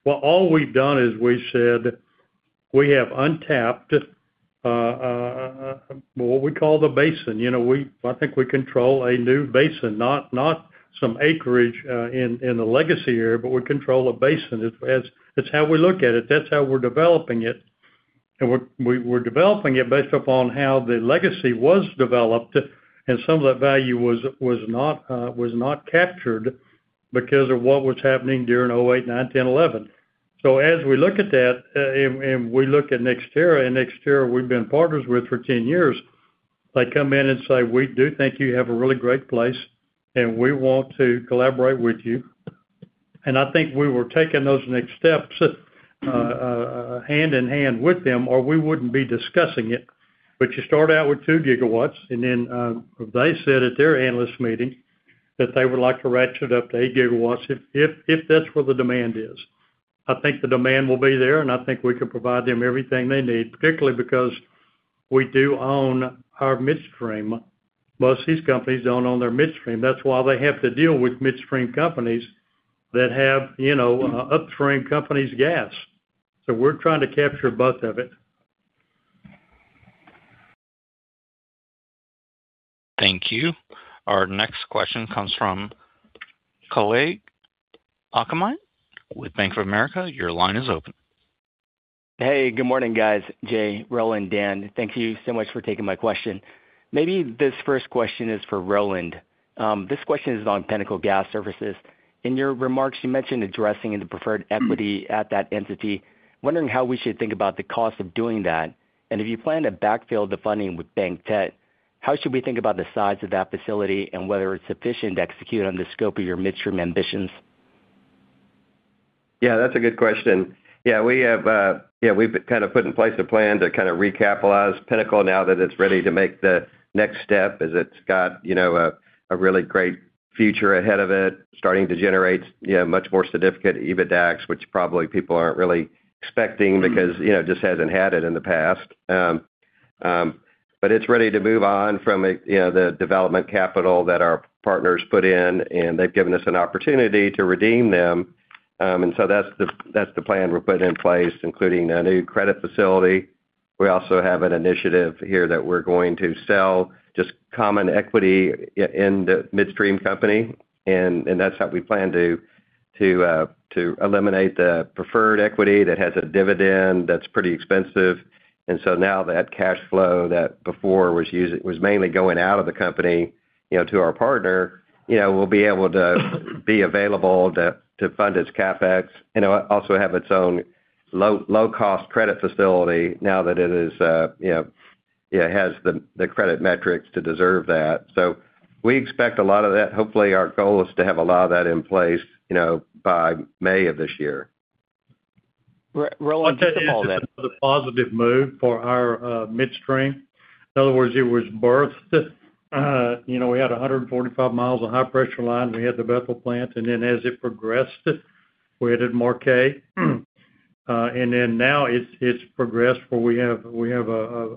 what all we've done is we said we have untapped, what we call the basin. You know, we I think we control a new basin, not some acreage in the legacy area, but we control a basin. It's how we look at it. That's how we're developing it and we're developing it based upon how the legacy was developed, and some of that value was not captured because of what was happening during 2008, 2009, 2010, 2011. So as we look at that, and we look at NextEra, and NextEra, we've been partners with for 10 years, they come in and say, "We do think you have a really great place, and we want to collaborate with you." And I think we were taking those next steps, hand-in-hand with them, or we wouldn't be discussing it. But you start out with 2 GW, and then, they said at their analyst meeting that they would like to ratchet up to 8 GW if that's where the demand is. I think the demand will be there, and I think we can provide them everything they need, particularly because we do own our midstream. Most of these companies don't own their midstream. That's why they have to deal with midstream companies that have, you know, upstream companies' gas. So we're trying to capture both of it. Thank you. Our next question comes from Kalei Akamine with Bank of America. Your line is open. Hey, good morning, guys. Jay, Roland, Dan, thank you so much for taking my question. Maybe this first question is for Roland. This question is on Pinnacle Gas Services. In your remarks, you mentioned addressing in the preferred equity at that entity. Wondering how we should think about the cost of doing that, and if you plan to backfill the funding with bank debt, how should we think about the size of that facility and whether it's sufficient to execute on the scope of your midstream ambitions? Yeah, that's a good question. Yeah, we have, yeah, we've kind of put in place a plan to kind of recapitalize Pinnacle now that it's ready to make the next step, as it's got, you know, a really great future ahead of it, starting to generate, you know, much more significant EBITDAX, which probably people aren't really expecting because, you know, just hasn't had it in the past. But it's ready to move on from a, you know, the development capital that our partners put in, and they've given us an opportunity to redeem them. And so that's the, that's the plan we put in place, including a new credit facility. We also have an initiative here that we're going to sell just common equity in the midstream company, and that's how we plan to eliminate the preferred equity that has a dividend that's pretty expensive. And so now that cash flow that before was mainly going out of the company, you know, to our partner, you know, will be able to be available to fund its CapEx and also have its own low-cost credit facility now that it is, you know, it has the credit metrics to deserve that. So we expect a lot of that. Hopefully, our goal is to have a lot of that in place, you know, by May of this year. Rowland- I'll tell you, this is a positive move for our midstream. In other words, it was birthed. You know, we had 145 miles of high-pressure line. We had the Bethel plant, and then as it progressed, we added Marquez. And then now it's progressed where we have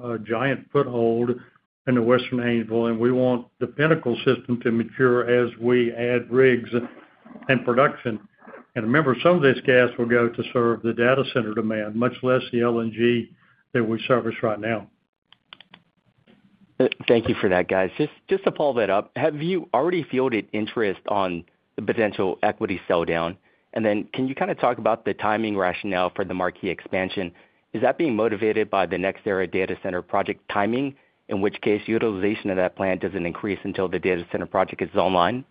a giant foothold in the Western Haynesville, and we want the Pinnacle system to mature as we add rigs and production. And remember, some of this gas will go to serve the data center demand, much less the LNG that we service right now. Thank you for that, guys. Just to follow that up, have you already fielded interest on the potential equity sell down? And then can you kind of talk about the timing rationale for the Marquez expansion? Is that being motivated by the NextEra Data Center project timing, in which case utilization of that plant doesn't increase until the data center project is online?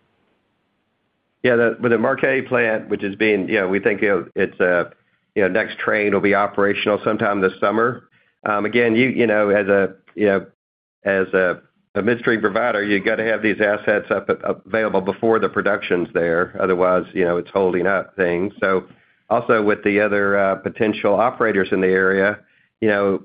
Yeah, with the Marquez plant, which is being. Yeah, we think it, it's, you know, next train will be operational sometime this summer. Again, you, you know, as a, you know, as a, a midstream provider, you got to have these assets up, available before the production's there. Otherwise, you know, it's holding up things. So also, with the other, potential operators in the area, you know,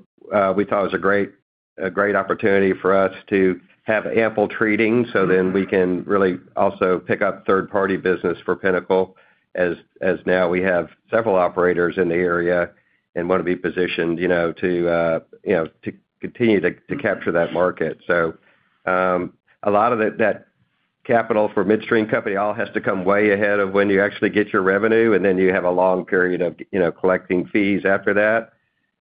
we thought it was a great, a great opportunity for us to have ample treating, so then we can really also pick up third-party business for Pinnacle, as, as now we have several operators in the area and want to be positioned, you know, to, you know, to continue to, to capture that market. So, a lot of that, that capital for midstream company all has to come way ahead of when you actually get your revenue, and then you have a long period of, you know, collecting fees after that.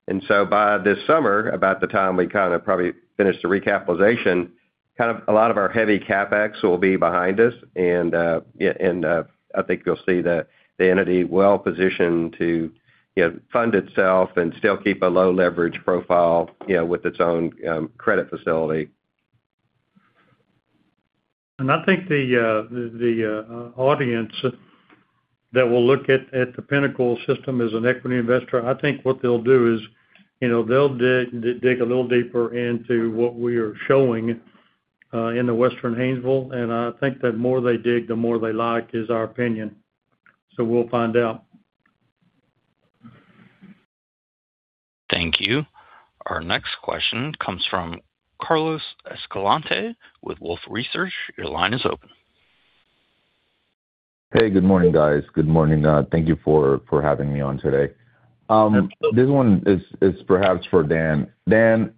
And so by this summer, about the time we kind of probably finish the recapitalization, kind of a lot of our heavy CapEx will be behind us and, yeah, and, I think you'll see the, the entity well positioned to, you know, fund itself and still keep a low leverage profile, you know, with its own credit facility. I think the audience that will look at the Pinnacle system as an equity investor. I think what they'll do is, you know, they'll dig a little deeper into what we are showing in the Western Haynesville, and I think the more they dig, the more they like, is our opinion. So we'll find out. Thank you. Our next question comes from Carlos Escalante with Wolfe Research. Your line is open. Hey, good morning, guys. Good morning. Thank you for having me on today. This one is perhaps for Dan. Dan,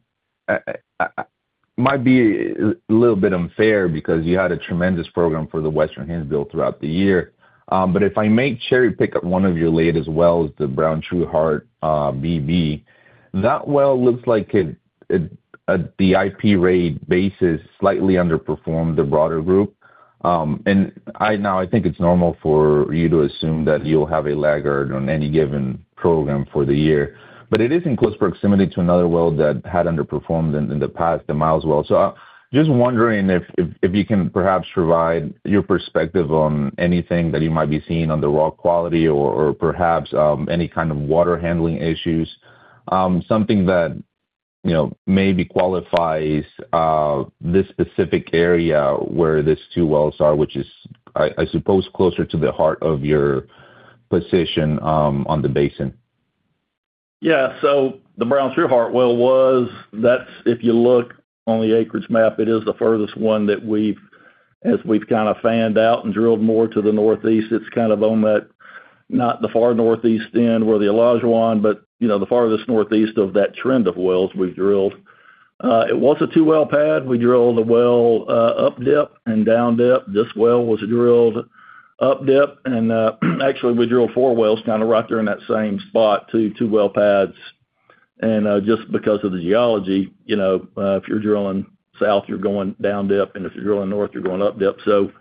might be a little bit unfair because you had a tremendous program for the Western Haynesville throughout the year. But if I may cherry-pick one of your latest wells, the Brown Trueheart, BB, that well looks like it at the IP rate basis slightly underperformed the broader group. And now I think it's normal for you to assume that you'll have a laggard on any given program for the year. But it is in close proximity to another well that had underperformed in the past, the Miles well. So, just wondering if you can perhaps provide your perspective on anything that you might be seeing on the rock quality or perhaps any kind of water handling issues, something that, you know, maybe qualifies this specific area where these two wells are, which is, I suppose, closer to the heart of your position on the basin. Yeah. So the Brown Trueheart well was that's if you look on the acreage map, it is the furthest one that we've as we've kind of fanned out and drilled more to the northeast, it's kind of on that, not the far northeast end, where the Alligator one, but, you know, the farthest northeast of that trend of wells we've drilled. It was a two-well pad. We drilled the well up dip and down dip. This well was drilled up dip, and actually, we drilled four wells kind of right there in that same spot, two two-well pads. And just because of the geology, you know, if you're drilling south, you're going down dip, and if you're drilling north, you're going up dip. So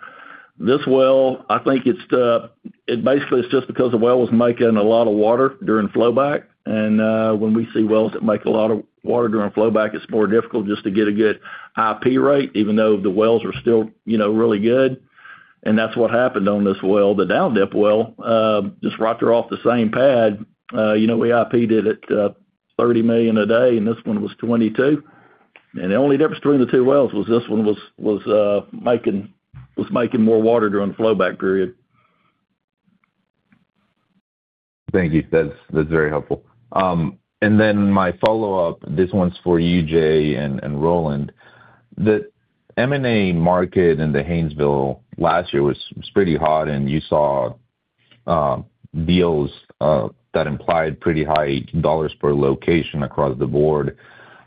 this well, I think it's, it basically is just because the well was making a lot of water during flowback. And, when we see wells that make a lot of water during flowback, it's more difficult just to get a good IP rate, even though the wells are still, you know, really good. And that's what happened on this well. The down dip well, just right there off the same pad, you know, we IP'd it at, 30 million a day, and this one was 22. And the only difference between the two wells was this one was making more water during the flowback period. Thank you. That's, that's very helpful. And then my follow-up, this one's for you, Jay and, and Roland. The M&A market in the Haynesville last year was, was pretty hot, and you saw deals that implied pretty high dollars per location across the board,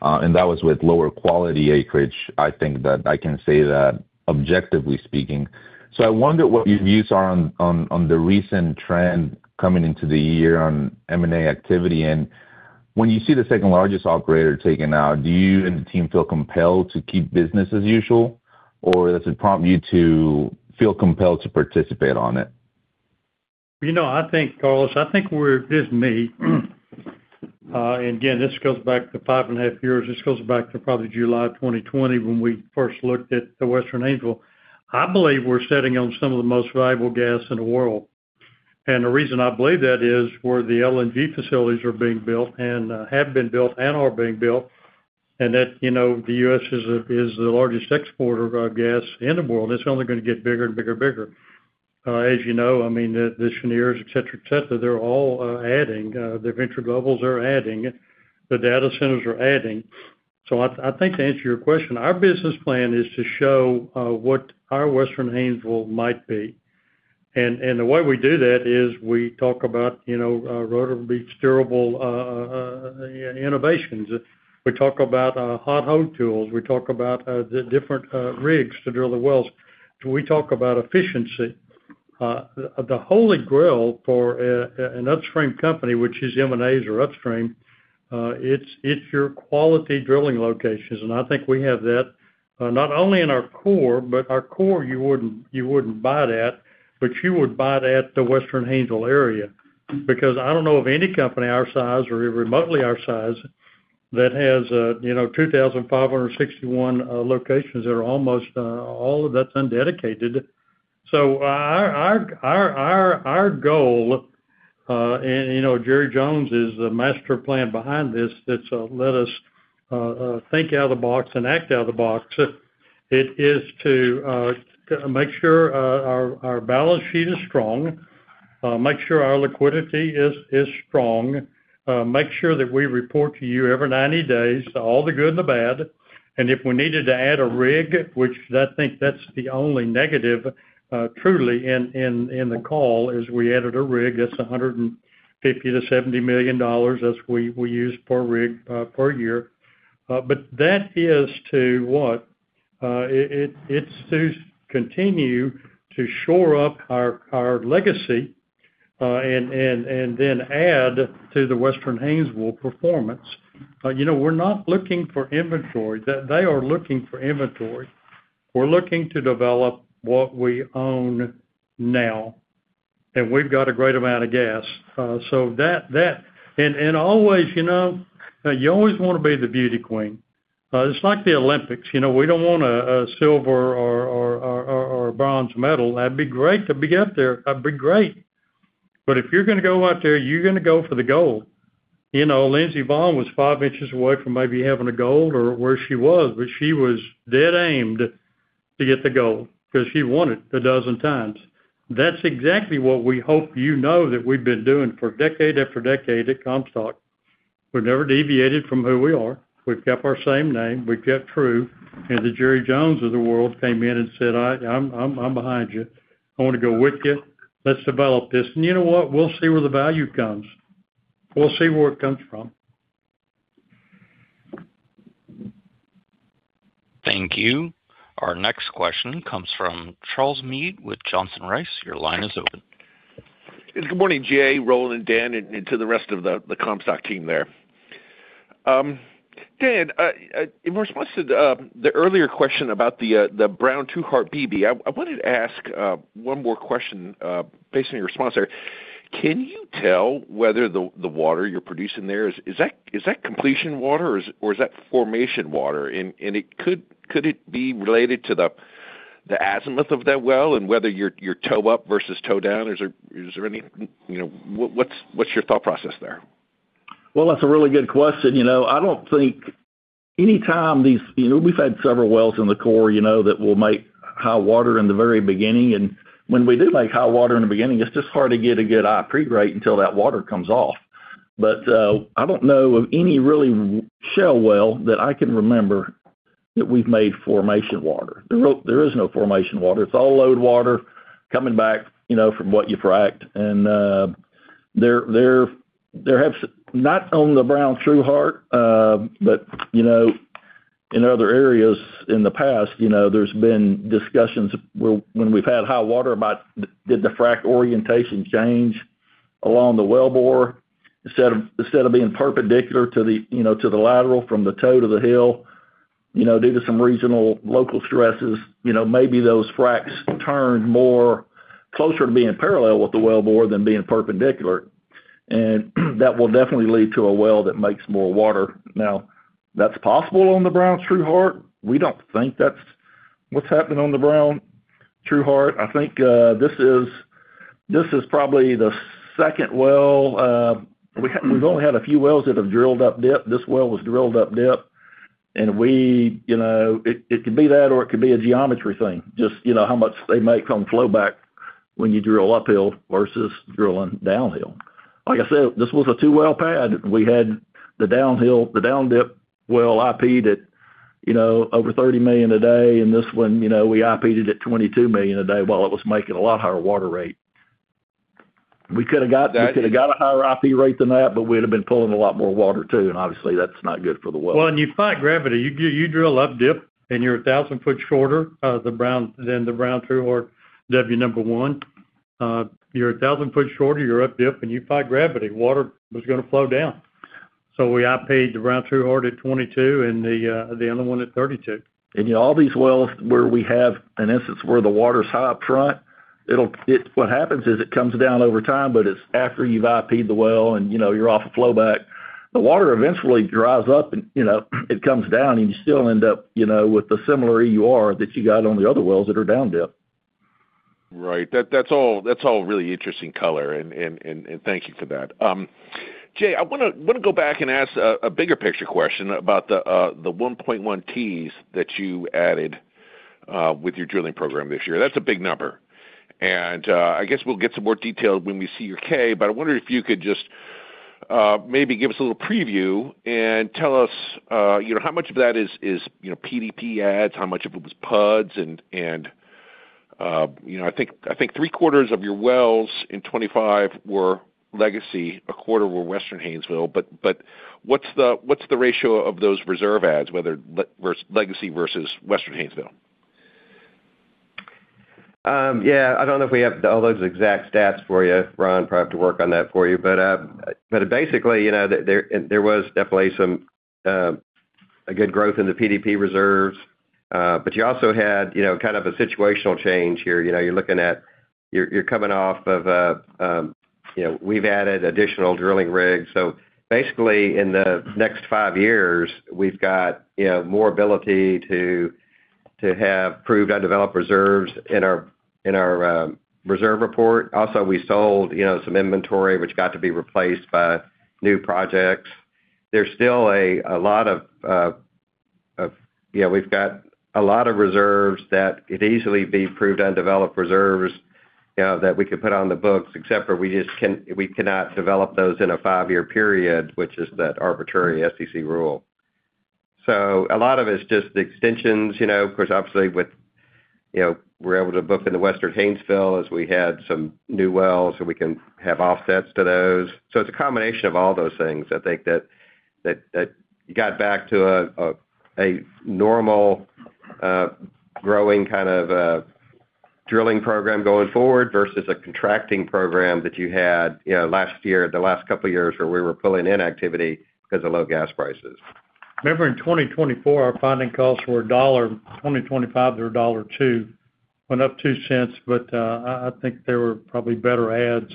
and that was with lower quality acreage. I think that I can say that objectively speaking. So I wonder what your views are on, on, on the recent trend coming into the year on M&A activity. And when you see the second-largest operator taken out, do you and the team feel compelled to keep business as usual, or does it prompt you to feel compelled to participate on it? You know, I think, Carlos, I think we're—this is me. And again, this goes back to five and a half years. This goes back to probably July of 2020, when we first looked at the Western Haynesville. I believe we're sitting on some of the most valuable gas in the world. And the reason I believe that is where the LNG facilities are being built and have been built and are being built, and that, you know, the U.S. is the largest exporter of our gas in the world. It's only going to get bigger and bigger and bigger. As you know, I mean, the Cheniere, et cetera, et cetera, they're all adding, the Venture Global are adding, the data centers are adding. So I think to answer your question, our business plan is to show what our Western Haynesville might be. And the way we do that is we talk about, you know, Rotary Steerable innovations. We talk about hot hole tools. We talk about the different rigs to drill the wells. We talk about efficiency. The holy grail for an upstream company, which is M&As or upstream, it's your quality drilling locations, and I think we have that, not only in our core, but our core, you wouldn't buy that, but you would buy that, the Western Haynesville area, because I don't know of any company our size or even remotely our size, that has a, you know, 2,561 locations that are almost all of that's undedicated. So our goal, and, you know, Jerry Jones is the master plan behind this, that's let us think out of the box and act out of the box. It is to make sure our balance sheet is strong, make sure our liquidity is strong, make sure that we report to you every 90 days, all the good and the bad. And if we needed to add a rig, which I think that's the only negative truly in the call, is we added a rig that's $150 million-$70 million, as we use per rig per year. But that is to what? It, it's to continue to shore up our legacy, and then add to the Western Haynesville performance. You know, we're not looking for inventory. They are looking for inventory. We're looking to develop what we own now, and we've got a great amount of gas. So that and always, you know, you always want to be the beauty queen. It's like the Olympics, you know, we don't want a silver or a bronze medal. That'd be great to be up there. That'd be great. But if you're gonna go out there, you're gonna go for the gold. You know, Lindsey Vonn was 5 in away from maybe having a gold or where she was, but she was dead aimed to get the gold because she won it a dozen times. That's exactly what we hope you know that we've been doing for decade after decade at Comstock. We've never deviated from who we are. We've kept our same name, we've kept true, and the Jerry Jones of the world came in and said, "I'm behind you. I want to go with you. Let's develop this." And you know what? We'll see where the value comes. We'll see where it comes from. Thank you. Our next question comes from Charles Meade with Johnson Rice. Your line is open.... Good morning, Jay, Roland, and Dan, and to the rest of the Comstock team there. Dan, in response to the earlier question about the Brown Two Heart BB, I wanted to ask one more question based on your response there. Can you tell whether the water you're producing there is that completion water, or is that formation water? And it could it be related to the azimuth of that well, and whether you're toe up versus toe down? Is there any, you know, what's your thought process there? Well, that's a really good question. You know, I don't think anytime these-- you know, we've had several wells in the core, you know, that will make high water in the very beginning. And when we do make high water in the beginning, it's just hard to get a good IP rate until that water comes off. But, I don't know of any really shale well that I can remember that we've made formation water. There is no formation water. It's all load water coming back, you know, from what you've fracked. There have not on the Brown Trueheart, but, you know, in other areas in the past, you know, there's been discussions where when we've had high water about did the frack orientation change along the wellbore, instead of, instead of being perpendicular to the, you know, to the lateral from the toe to the heel, you know, due to some regional local stresses, you know, maybe those fracks turned more closer to being parallel with the wellbore than being perpendicular. And that will definitely lead to a well that makes more water. Now, that's possible on the Brown Trueheart. We don't think that's what's happening on the Brown Trueheart. I think this is probably the second well. We've only had a few wells that have drilled up dip. This well was drilled up dip, and we, you know, it could be that, or it could be a geometry thing. Just, you know, how much they make on flowback when you drill uphill versus drilling downhill. Like I said, this was a two-well pad. We had the downhill, the down dip well IP'd at, you know, over 30 million a day, and this one, you know, we IP'd it at 22 million a day, while it was making a lot higher water rate. We could have got- Got- We could have got a higher IP rate than that, but we'd have been pulling a lot more water, too, and obviously, that's not good for the well. Well, and you fight gravity. You drill up dip, and you're 1,000 foot shorter than the Brown Trueheart that'll be number one. You're 1,000 foot shorter, you're up dip, and you fight gravity. Water was gonna flow down. So we IP'd the Brown Trueheart at 22, and the other one at 32. You know, all these wells where we have an instance where the water's high up front, it'll. What happens is, it comes down over time, but it's after you've IP'd the well and, you know, you're off a flowback. The water eventually dries up and, you know, it comes down, and you still end up, you know, with a similar EUR that you got on the other wells that are down dip. Right. That's all really interesting color, and thank you for that. Jay, I want to go back and ask a bigger picture question about the 1.1 Tcf that you added with your drilling program this year. That's a big number. I guess we'll get some more detail when we see your K, but I wonder if you could just maybe give us a little preview and tell us, you know, how much of that is, you know, PDP adds, how much of it was PUDs, and, you know, I think three-quarters of your wells in 2025 were legacy, a quarter were Western Haynesville. But what's the ratio of those reserve adds, whether legacy versus Western Haynesville? Yeah, I don't know if we have all those exact stats for you, Ron. Probably have to work on that for you. But basically, you know, there was definitely some a good growth in the PDP reserves. But you also had, you know, kind of a situational change here. You know, you're looking at-- you're coming off of, you know, we've added additional drilling rigs. So basically, in the next 5 years, we've got, you know, more ability to have proved undeveloped reserves in our reserve report. Also, we sold, you know, some inventory, which got to be replaced by new projects. There's still a lot of reserves that could easily be proved undeveloped reserves that we could put on the books, except for we just cannot develop those in a five-year period, which is that arbitrary SEC rule. So a lot of it's just extensions, you know, of course, obviously, with. You know, we're able to book in the Western Haynesville as we had some new wells, so we can have offsets to those. So it's a combination of all those things, I think, that got back to a normal growing kind of drilling program going forward versus a contracting program that you had, you know, last year, the last couple of years, where we were pulling in activity because of low gas prices. Remember, in 2024, our finding costs were $1. In 2025, they were $1.02. Went up $0.02, but I think there were probably better adds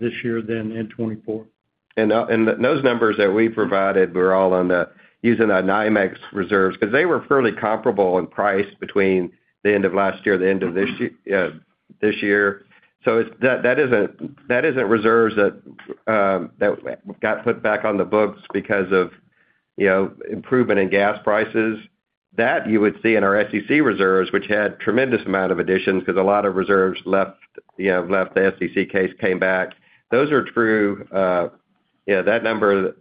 this year than in 2024. Those numbers that we provided were all on the using the NYMEX reserves, because they were fairly comparable in price between the end of last year, the end of this year. That, that isn't, that isn't reserves that got put back on the books because of, you know, improvement in gas prices. That you would see in our SEC reserves, which had tremendous amount of additions, because a lot of reserves left, you know, left the SEC case, came back. Those are true. Yeah, that number,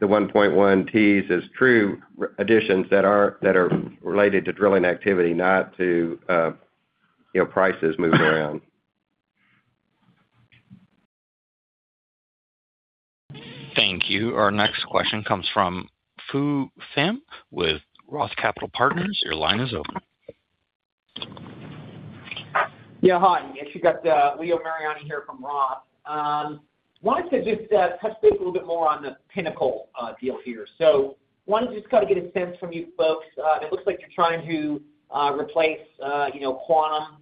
the 1.1 Tcf, is true additions that are, that are related to drilling activity, not to, you know, prices moving around. Thank you. Our next question comes from Phu Pham with Roth Capital Partners. Your line is open. Yeah, hi. Yes, you got Leo Mariani here from Roth. Wanted to just touch base a little bit more on the Pinnacle deal here. So wanted to just kind of get a sense from you folks. It looks like you're trying to replace, you know, Quantum,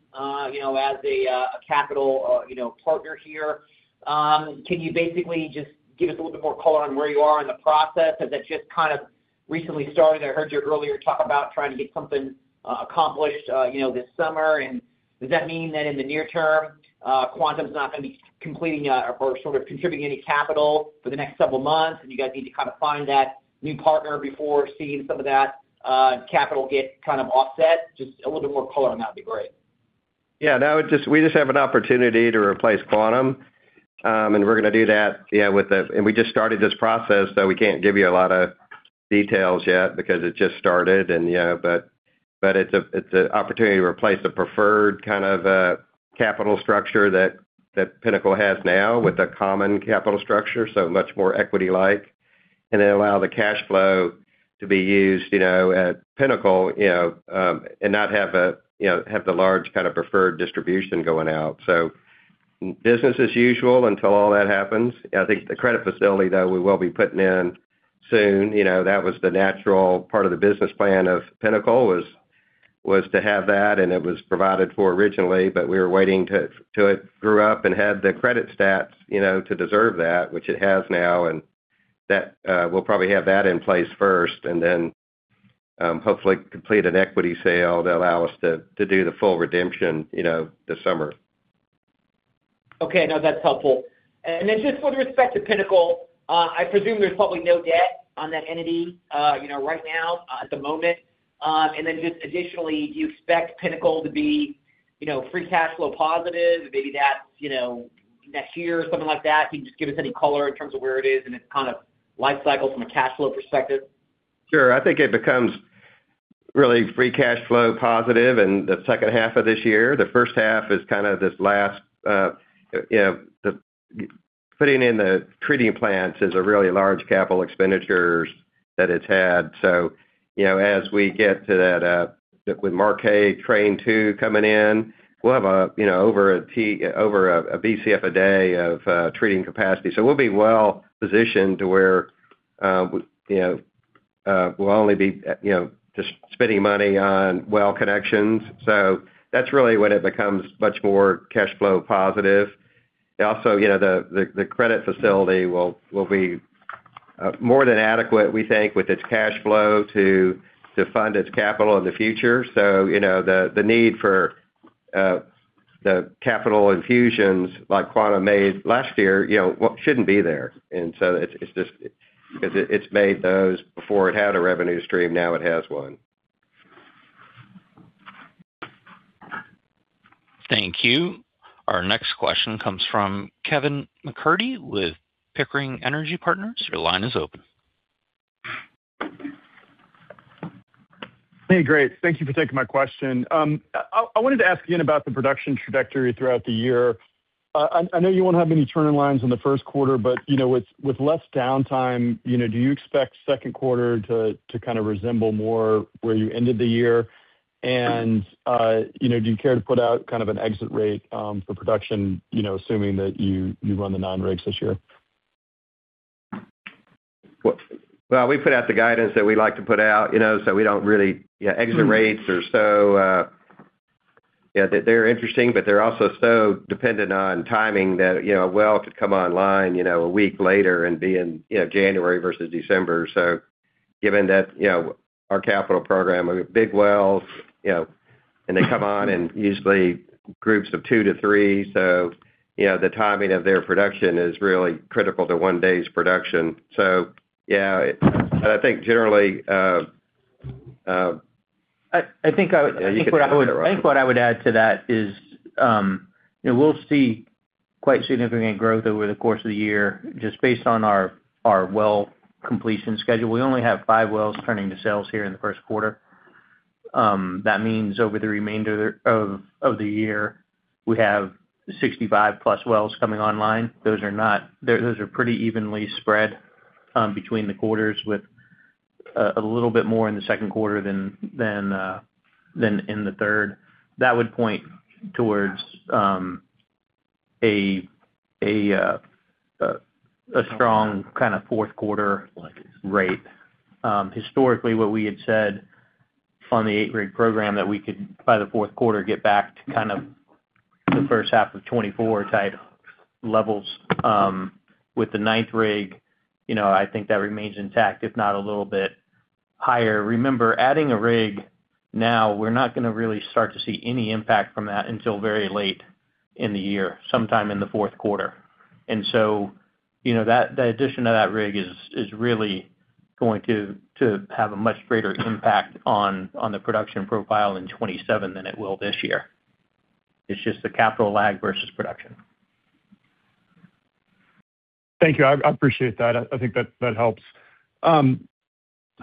you know, as a capital, you know, partner here. Can you basically just give us a little bit more color on where you are in the process? Has that just kind of recently started? I heard you earlier talk about trying to get something accomplished, you know, this summer. Does that mean that in the near term, Quantum's not going to be completing, or sort of contributing any capital for the next several months, and you guys need to kind of find that new partner before seeing some of that capital get kind of offset? Just a little bit more color on that would be great. Yeah, that would just... We just have an opportunity to replace Quantum, and we're going to do that, yeah, with the-- And we just started this process, so we can't give you a lot of details yet because it just started. And, yeah, but, but it's a, it's an opportunity to replace the preferred kind of, capital structure that, that Pinnacle has now with a common capital structure, so much more equity-like, and then allow the cash flow to be used, you know, at Pinnacle, you know, and not have a, you know, have the large kind of preferred distribution going out. So business as usual until all that happens. I think the credit facility, though, we will be putting in soon. You know, that was the natural part of the business plan of Pinnacle, was to have that, and it was provided for originally, but we were waiting till it grew up and had the credit stats, you know, to deserve that, which it has now, and that. We'll probably have that in place first, and then hopefully complete an equity sale to allow us to do the full redemption, you know, this summer. Okay. No, that's helpful. And then just with respect to Pinnacle, I presume there's probably no debt on that entity, you know, right now, at the moment. And then just additionally, do you expect Pinnacle to be, you know, free cash flow positive? Maybe that's, you know, next year or something like that. Can you just give us any color in terms of where it is in its kind of life cycle from a cash flow perspective? Sure. I think it becomes really free cash flow positive in the second half of this year. The first half is kind of this last, you know, putting in the treating plants is a really large capital expenditures that it's had. So, you know, as we get to that, with Marquez Train Two coming in, we'll have a, you know, over a Bcf a day of treating capacity. So we'll be well positioned to where, you know, we'll only be, you know, just spending money on well connections. So that's really when it becomes much more cash flow positive. Also, you know, the credit facility will be more than adequate, we think, with its cash flow to fund its capital in the future. So, you know, the need for the capital infusions like Quantum made last year, you know, shouldn't be there. And so it's just, because it's made those before it had a revenue stream, now it has one. Thank you. Our next question comes from Kevin McCurdy with Pickering Energy Partners. Your line is open. Hey, great. Thank you for taking my question. I wanted to ask you about the production trajectory throughout the year. I know you won't have any turning lines in the first quarter, but you know, with less downtime, you know, do you expect second quarter to kind of resemble more where you ended the year? And you know, do you care to put out kind of an exit rate for production, you know, assuming that you run the non-rigs this year? What? Well, we put out the guidance that we like to put out, you know, so we don't really... Yeah, exit rates are so, yeah, they're interesting, but they're also so dependent on timing that, you know, a well could come online, you know, a week later and be in, you know, January versus December. So given that, you know, our capital program, big wells, you know, and they come on in usually groups of two to three, so, you know, the timing of their production is really critical to one day's production. So yeah, I think generally. I think what I would add to that is, you know, we'll see quite significant growth over the course of the year, just based on our well completion schedule. We only have five wells turning to sales here in the first quarter. That means over the remainder of the year, we have 65+ wells coming online. Those are pretty evenly spread between the quarters, with a little bit more in the second quarter than in the third. That would point towards a strong kind of fourth quarter rate. Historically, what we had said on the 8-rig program, that we could, by the fourth quarter, get back to kind of the first half of 2024 type levels. With the ninth rig, you know, I think that remains intact, if not a little bit higher. Remember, adding a rig now, we're not going to really start to see any impact from that until very late in the year, sometime in the fourth quarter. And so, you know, that the addition of that rig is really going to have a much greater impact on the production profile in 2027 than it will this year. It's just the capital lag versus production. Thank you. I appreciate that. I think that helps.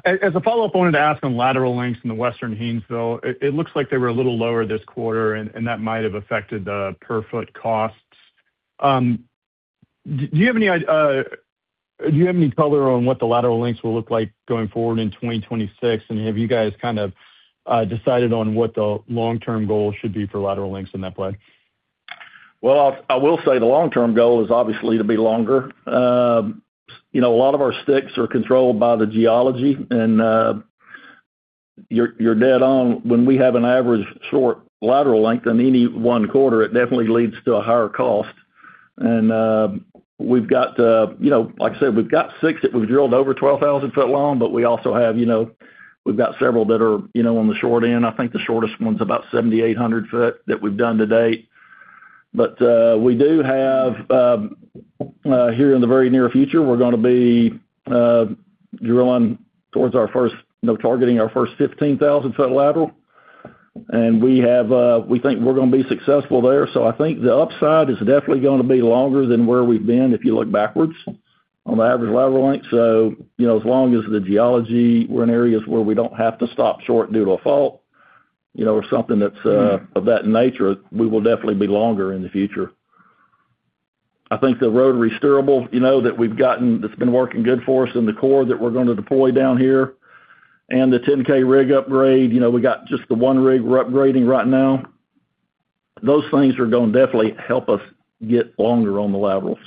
As a follow-up, I wanted to ask on lateral lengths in the Western Haynesville. It looks like they were a little lower this quarter, and that might have affected the per-foot costs. Do you have any color on what the lateral lengths will look like going forward in 2026? And have you guys kind of decided on what the long-term goal should be for lateral lengths in that play? Well, I will say the long-term goal is obviously to be longer. You know, a lot of our sticks are controlled by the geology, and you're dead on. When we have an average short lateral length on any one quarter, it definitely leads to a higher cost. And we've got, you know, like I said, we've got six that we've drilled over 12,000-foot long, but we also have, you know, we've got several that are, you know, on the short end. I think the shortest one's about 7,800 foot that we've done to date. But we do have here in the very near future, we're gonna be drilling towards our first—no targeting, our first 15,000-foot lateral. And we have, we think we're gonna be successful there. So I think the upside is definitely gonna be longer than where we've been, if you look backwards on the average lateral length. So, you know, as long as the geology, we're in areas where we don't have to stop short due to a fault, you know, or something that's of that nature, we will definitely be longer in the future. I think the rotary steerable, you know, that we've gotten, that's been working good for us in the core that we're gonna deploy down here, and the 10K rig upgrade, you know, we got just the one rig we're upgrading right now. Those things are gonna definitely help us get longer on the laterals.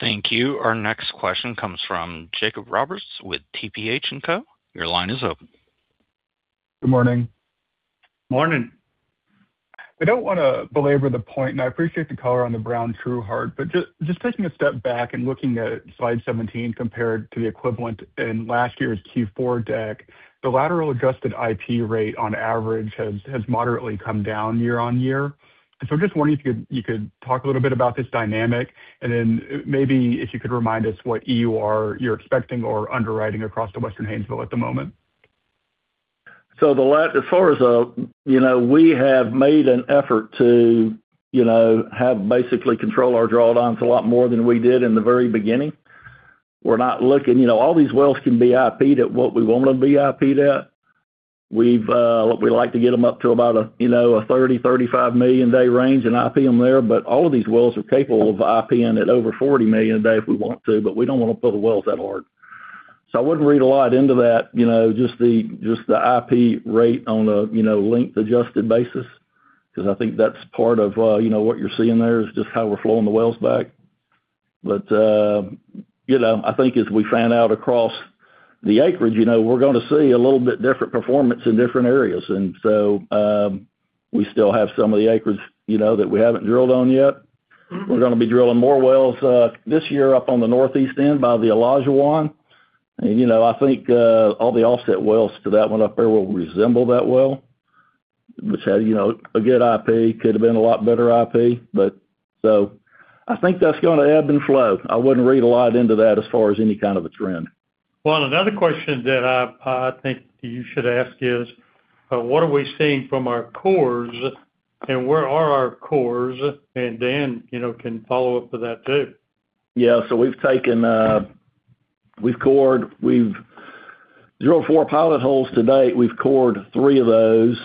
Thank you. Our next question comes from Jacob Roberts with TPH & Co. Your line is open. Good morning. Morning. I don't wanna belabor the point, and I appreciate the color on the Brown True Heart, but just taking a step back and looking at slide 17 compared to the equivalent in last year's Q4 deck, the lateral adjusted IP rate on average has moderately come down year-on-year. So I'm just wondering if you could talk a little bit about this dynamic, and then maybe if you could remind us what EUR you're expecting or underwriting across the Western Haynesville at the moment. So as far as, you know, we have made an effort to, you know, basically control our drawdowns a lot more than we did in the very beginning. We're not looking... You know, all these wells can be IP'd at what we want them to be IP'd at. We've, we like to get them up to about, you know, a 30 million-35 million a day range and IP them there, but all of these wells are capable of IP'ing at over 40 million a day if we want to, but we don't want to pull the wells that hard. So I wouldn't read a lot into that, you know, just the, just the IP rate on a, you know, length adjusted basis, because I think that's part of, you know, what you're seeing there, is just how we're flowing the wells back. But, you know, I think as we fan out across the acreage, you know, we're gonna be drilling more wells, this year, up on the northeast end by the Alligator. And, you know, I think, all the offset wells to that one up there will resemble that well, which had, you know, a good IP, could have been a lot better IP. But, so I think that's gonna ebb and flow. I wouldn't read a lot into that as far as any kind of a trend. Well, another question that I think you should ask is, what are we seeing from our cores, and where are our cores? Dan, you know, can follow up with that, too. Yeah, so we've taken. We've cored. We've drilled four pilot holes to date. We've cored three of those.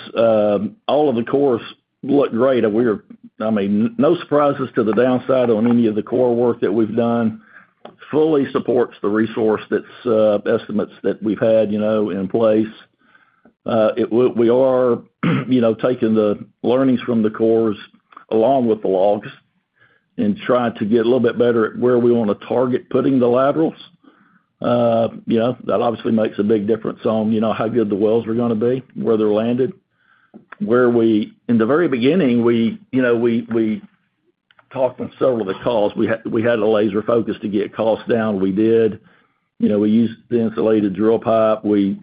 All of the cores look great. I mean, no surprises to the downside on any of the core work that we've done. It fully supports the resource estimates that we've had, you know, in place. We are, you know, taking the learnings from the cores along with the logs and trying to get a little bit better at where we want to target putting the laterals. You know, that obviously makes a big difference on, you know, how good the wells are gonna be, where they're landed. In the very beginning, we, you know, talked on several of the calls. We had a laser focus to get costs down. We did. You know, we used the insulated drill pipe. We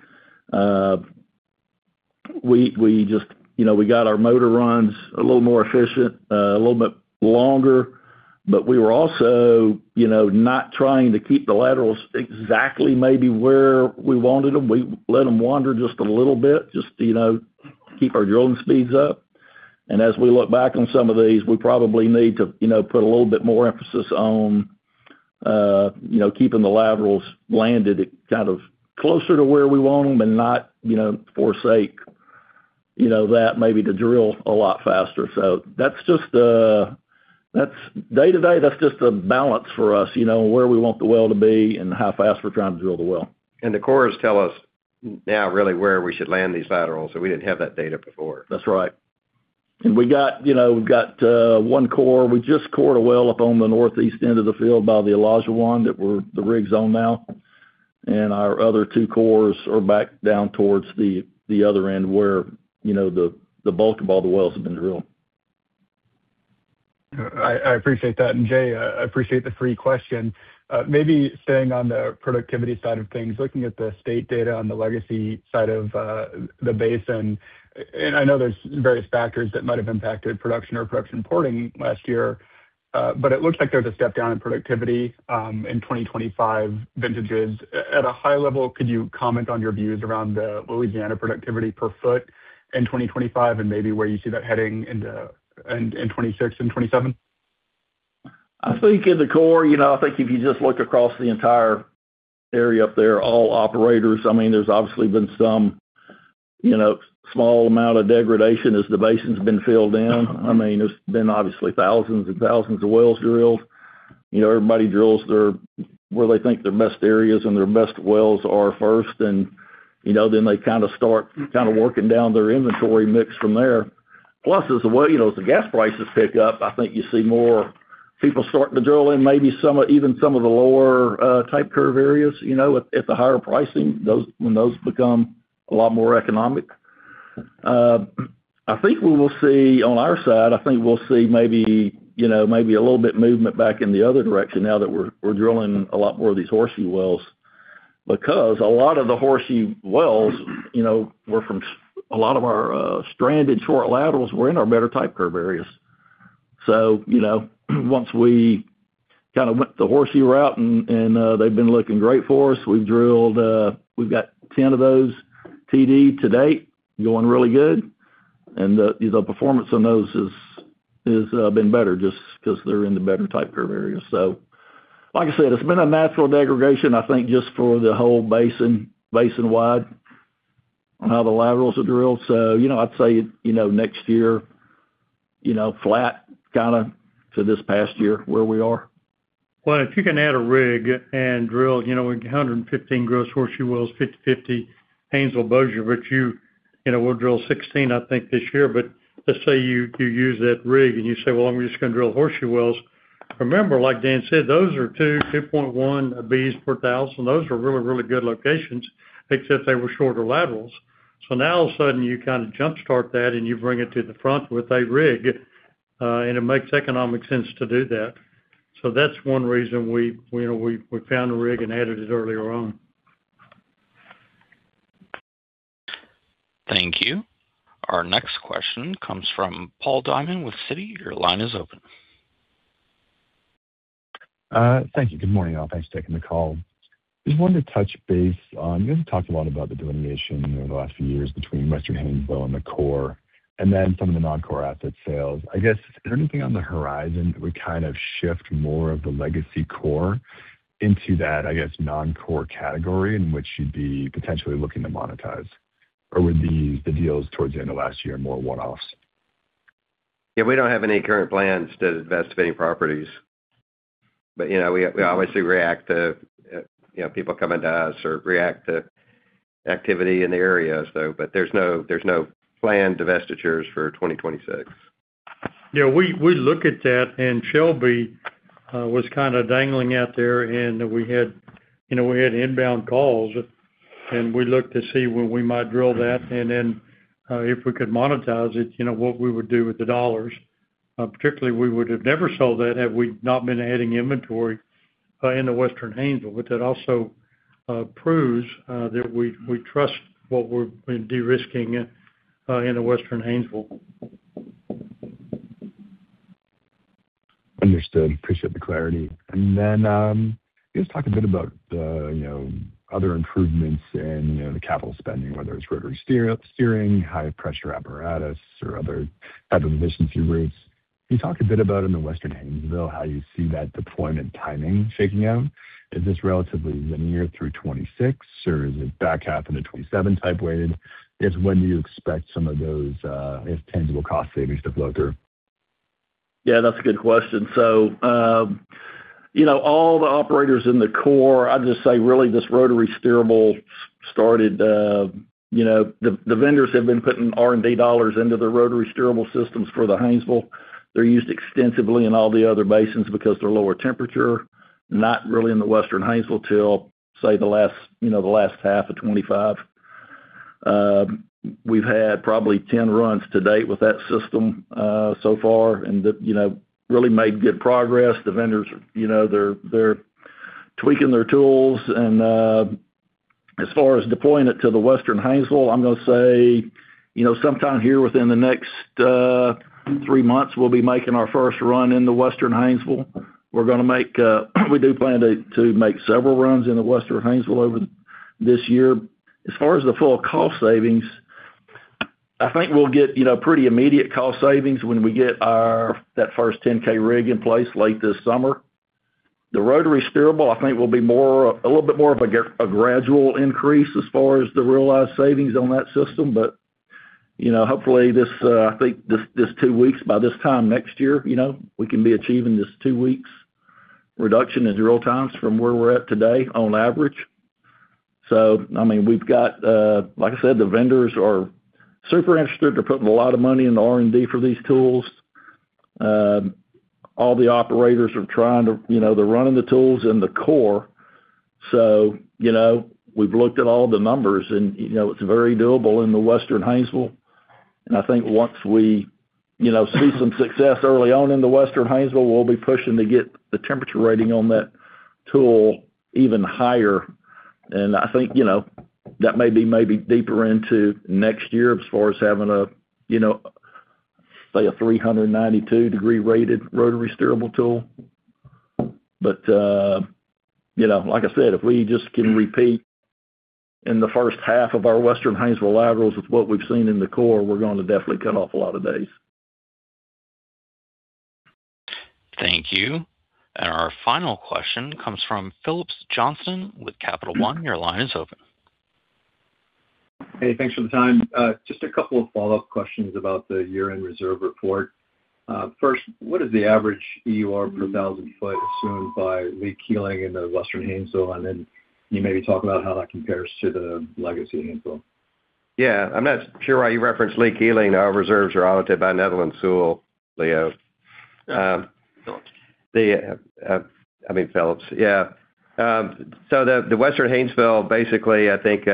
just, you know, we got our motor runs a little more efficient, a little bit longer. But we were also, you know, not trying to keep the laterals exactly maybe where we wanted them. We let them wander just a little bit, just, you know, to keep our drilling speeds up. And as we look back on some of these, we probably need to, you know, put a little bit more emphasis on, you know, keeping the laterals landed kind of closer to where we want them and not, you know, forsake, you know, that maybe to drill a lot faster. So that's just day-to-day, that's just a balance for us, you know, where we want the well to be and how fast we're trying to drill the well. The cores tell us now really where we should land these laterals, so we didn't have that data before. That's right. And we got, you know, we've got one core. We just cored a well up on the northeast end of the field by the Alligator 1, that we're—the rig's on now, and our other two cores are back down towards the other end, where, you know, the bulk of all the wells have been drilled. I appreciate that. Jay, I appreciate the free question. Maybe staying on the productivity side of things, looking at the state data on the legacy side of the basin, and I know there's various factors that might have impacted production or production reporting last year, but it looks like there's a step down in productivity in 2025 vintages. At a high level, could you comment on your views around the Louisiana productivity per foot in 2025, and maybe where you see that heading in 2026 and 2027?... I think in the core, you know, I think if you just look across the entire area up there, all operators, I mean, there's obviously been some, you know, small amount of degradation as the basin's been filled in. I mean, there's been obviously thousands and thousands of wells drilled. You know, everybody drills their, where they think their best areas and their best wells are first, and, you know, then they kinda start kinda working down their inventory mix from there. Plus, you know, as the gas prices pick up, I think you see more people starting to drill in, maybe some of, even some of the lower type curve areas, you know, at the higher pricing, those, when those become a lot more economic. I think we will see. On our side, I think we'll see maybe, you know, maybe a little bit movement back in the other direction now that we're drilling a lot more of these Horseshoe wells, because a lot of the Horseshoe wells, you know, were from a lot of our stranded short laterals were in our better type curve areas. So, you know, once we kinda went the Horseshoe route, and they've been looking great for us, we've drilled, we've got 10 of those TD to date, going really good. And the, you know, performance on those has been better just 'cause they're in the better type curve areas. So like I said, it's been a natural degradation, I think, just for the whole basin, basin-wide, on how the laterals are drilled. You know, I'd say, you know, next year, you know, flat kinda to this past year, where we are. Well, if you can add a rig and drill, you know, 115 gross Horseshoe wells, 50/50 Haynesville Bossier, which you— You know, we'll drill 16, I think, this year. But let's say you use that rig and you say, "Well, I'm just gonna drill Horseshoe wells." Remember, like Dan said, those are 2, 2.1 Bs per thousand. Those are really, really good locations, except they were shorter laterals. So now all of a sudden, you kind of jumpstart that, and you bring it to the front with a rig, and it makes economic sense to do that. So that's one reason we, you know, we found a rig and added it earlier on. Thank you. Our next question comes from Paul Diamond with Citi. Your line is open. Thank you. Good morning, all. Thanks for taking the call. Just wanted to touch base on, you guys talked a lot about the delineation over the last few years between Western Haynesville and the core, and then some of the non-core asset sales. I guess, is there anything on the horizon that would kind of shift more of the legacy core into that, I guess, non-core category in which you'd be potentially looking to monetize? Or were these the deals towards the end of last year, more one-offs? Yeah, we don't have any current plans to divest any properties. But, you know, we obviously react to, you know, people coming to us or react to activity in the areas, though, but there's no planned divestitures for 2026. Yeah, we, we look at that, and Shelby was kinda dangling out there, and we had, you know, we had inbound calls, and we looked to see where we might drill that, and then, if we could monetize it, you know, what we would do with the dollars. Particularly, we would have never sold that had we not been adding inventory in the Western Haynesville. But that also proves that we, we trust what we're de-risking in the Western Haynesville. Understood. Appreciate the clarity. And then, let's talk a bit about the, you know, other improvements in, you know, the capital spending, whether it's rotary steer, steering, high pressure apparatus, or other type of efficiency rates. Can you talk a bit about in the Western Haynesville, how you see that deployment timing shaking out? Is this relatively linear through 2026, or is it back half into 2027 type weighted? When do you expect some of those, if tangible cost savings to flow through? Yeah, that's a good question. So, you know, all the operators in the core, I'd just say, really, this Rotary Steerable started—you know, the vendors have been putting R&D dollars into the Rotary Steerable systems for the Haynesville. They're used extensively in all the other basins because they're lower temperature, not really in the Western Haynesville till, say, the last half of 2025. We've had probably 10 runs to date with that system, so far, and that, you know, really made good progress. The vendors, you know, they're tweaking their tools. And, as far as deploying it to the Western Haynesville, I'm gonna say, you know, sometime here within the next 3 months, we'll be making our first run in the Western Haynesville. We're gonna make, we do plan to make several runs in the Western Haynesville over this year. As far as the full cost savings, I think we'll get, you know, pretty immediate cost savings when we get our-- that first 10K rig in place late this summer. The rotary steerable, I think, will be more, a little bit more of a gradual increase as far as the realized savings on that system. But, you know, hopefully, this, I think this, this two weeks, by this time next year, you know, we can be achieving this two weeks reduction in drill times from where we're at today on average. So I mean, we've got, like I said, the vendors are super interested. They're putting a lot of money in the R&D for these tools. All the operators are trying to, you know, they're running the tools in the core. So, you know, we've looked at all the numbers and, you know, it's very doable in the Western Haynesville. And I think once we, you know, see some success early on in the Western Haynesville, we'll be pushing to get the temperature rating on that tool even higher. And I think, you know, that may be maybe deeper into next year as far as having a, you know, say, a 392-degree rated rotary steerable tool. But, you know, like I said, if we just can repeat-... in the first half of our Western Haynesville laterals, with what we've seen in the core, we're going to definitely cut off a lot of days. Thank you. Our final question comes from Phillips Johnston with Capital One. Your line is open. Hey, thanks for the time. Just a couple of follow-up questions about the year-end reserve report. First, what is the average EUR per thousand foot assumed by Lee Keeling in the Western Haynesville? And then can you maybe talk about how that compares to the legacy Haynesville? Yeah, I'm not sure why you referenced Lee Keeling. Our reserves are audited by Netherland, Sewell, Leo. Yeah. Phillips. I mean, Phillips. Yeah. So the Western Haynesville, basically, I think,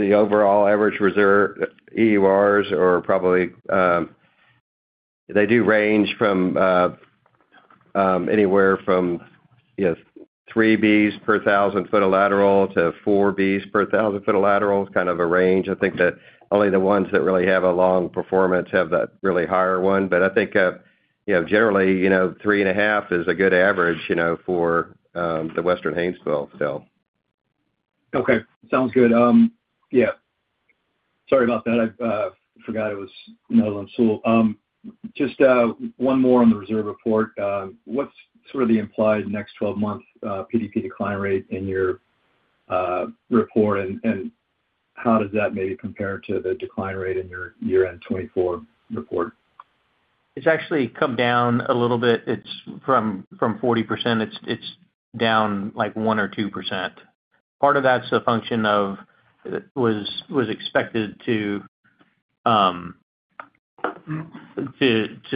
the overall average reserve EURs are probably they do range from anywhere from, you know, 3-4 Bs per 1,000 foot of lateral, kind of a range. I think that only the ones that really have a long performance have that really higher one. But I think, you know, generally, you know, 3.5 is a good average, you know, for the Western Haynesville, so. Okay, sounds good. Yeah. Sorry about that. I forgot it was Netherland, Sewell. Just one more on the reserve report. What's sort of the implied next 12-month PDP decline rate in your report? And how does that maybe compare to the decline rate in your year-end 2024 report? It's actually come down a little bit. It's from 40%; it's down, like, 1%-2%. Part of that's a function of... was expected to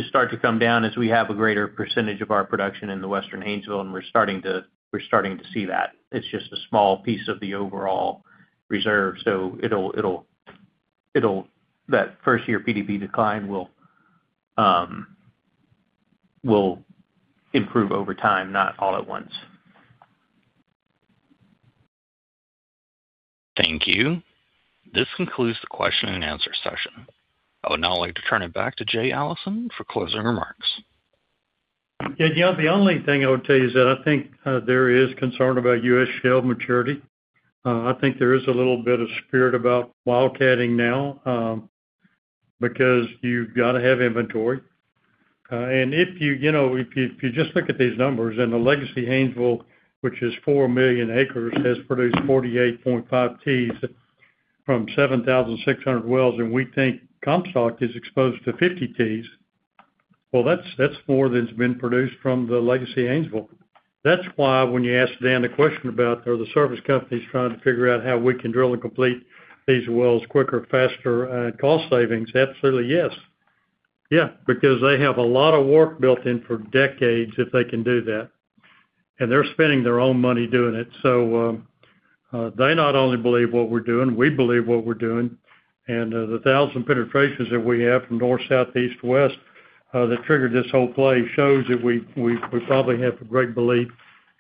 start to come down as we have a greater percentage of our production in the Western Haynesville, and we're starting to see that. It's just a small piece of the overall reserve, so it'll-- that first-year PDP decline will improve over time, not all at once. Thank you. This concludes the question and answer session. I would now like to turn it back to Jay Allison for closing remarks. Yeah, yeah, the only thing I would tell you is that I think there is concern about U.S. shale maturity. I think there is a little bit of spirit about wildcatting now, because you've got to have inventory. And if you, you know, if you, if you just look at these numbers, and the legacy Haynesville, which is 4 million acres, has produced 48.5 Tcf from 7,600 wells, and we think Comstock is exposed to 50 Tcf, well, that's, that's more than's been produced from the legacy Haynesville. That's why when you ask Dan the question about, are the service companies trying to figure out how we can drill and complete these wells quicker, faster, cost savings? Absolutely, yes. Yeah, because they have a lot of work built in for decades if they can do that, and they're spending their own money doing it. So, they not only believe what we're doing, we believe what we're doing. And, the 1000 penetrations that we have from North, South, East, West, that triggered this whole play, shows that we probably have a great belief,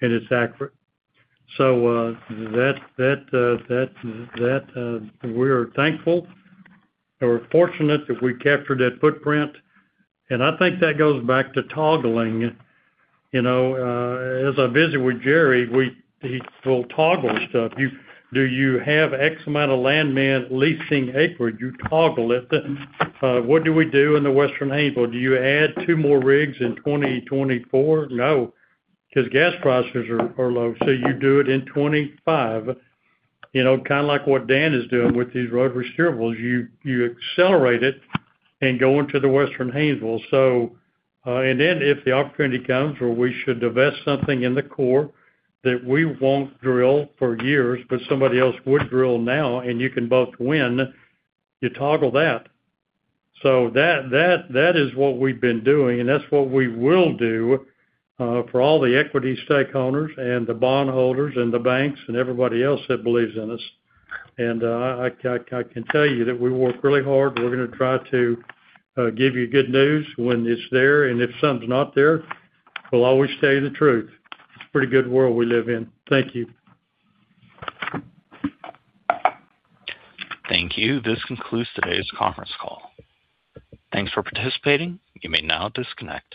and it's accurate. So, that we're thankful and we're fortunate that we captured that footprint, and I think that goes back to toggling. You know, as I visit with Jerry, we, he still toggles stuff. You, do you have X amount of landmen leasing acreage? You toggle it. What do we do in the Western Haynesville? Do you add two more rigs in 2024? No, because gas prices are low, so you do it in 2025. You know, kind of like what Dan is doing with these Rotary Steerable, you accelerate it and go into the Western Haynesville. So, and then if the opportunity comes where we should divest something in the core that we won't drill for years, but somebody else would drill now, and you can both win, you toggle that. So that is what we've been doing, and that's what we will do, for all the equity stakeholders and the bondholders and the banks and everybody else that believes in us. And, I can tell you that we work really hard. We're gonna try to give you good news when it's there, and if something's not there, we'll always tell you the truth. It's a pretty good world we live in. Thank you. Thank you. This concludes today's conference call. Thanks for participating. You may now disconnect.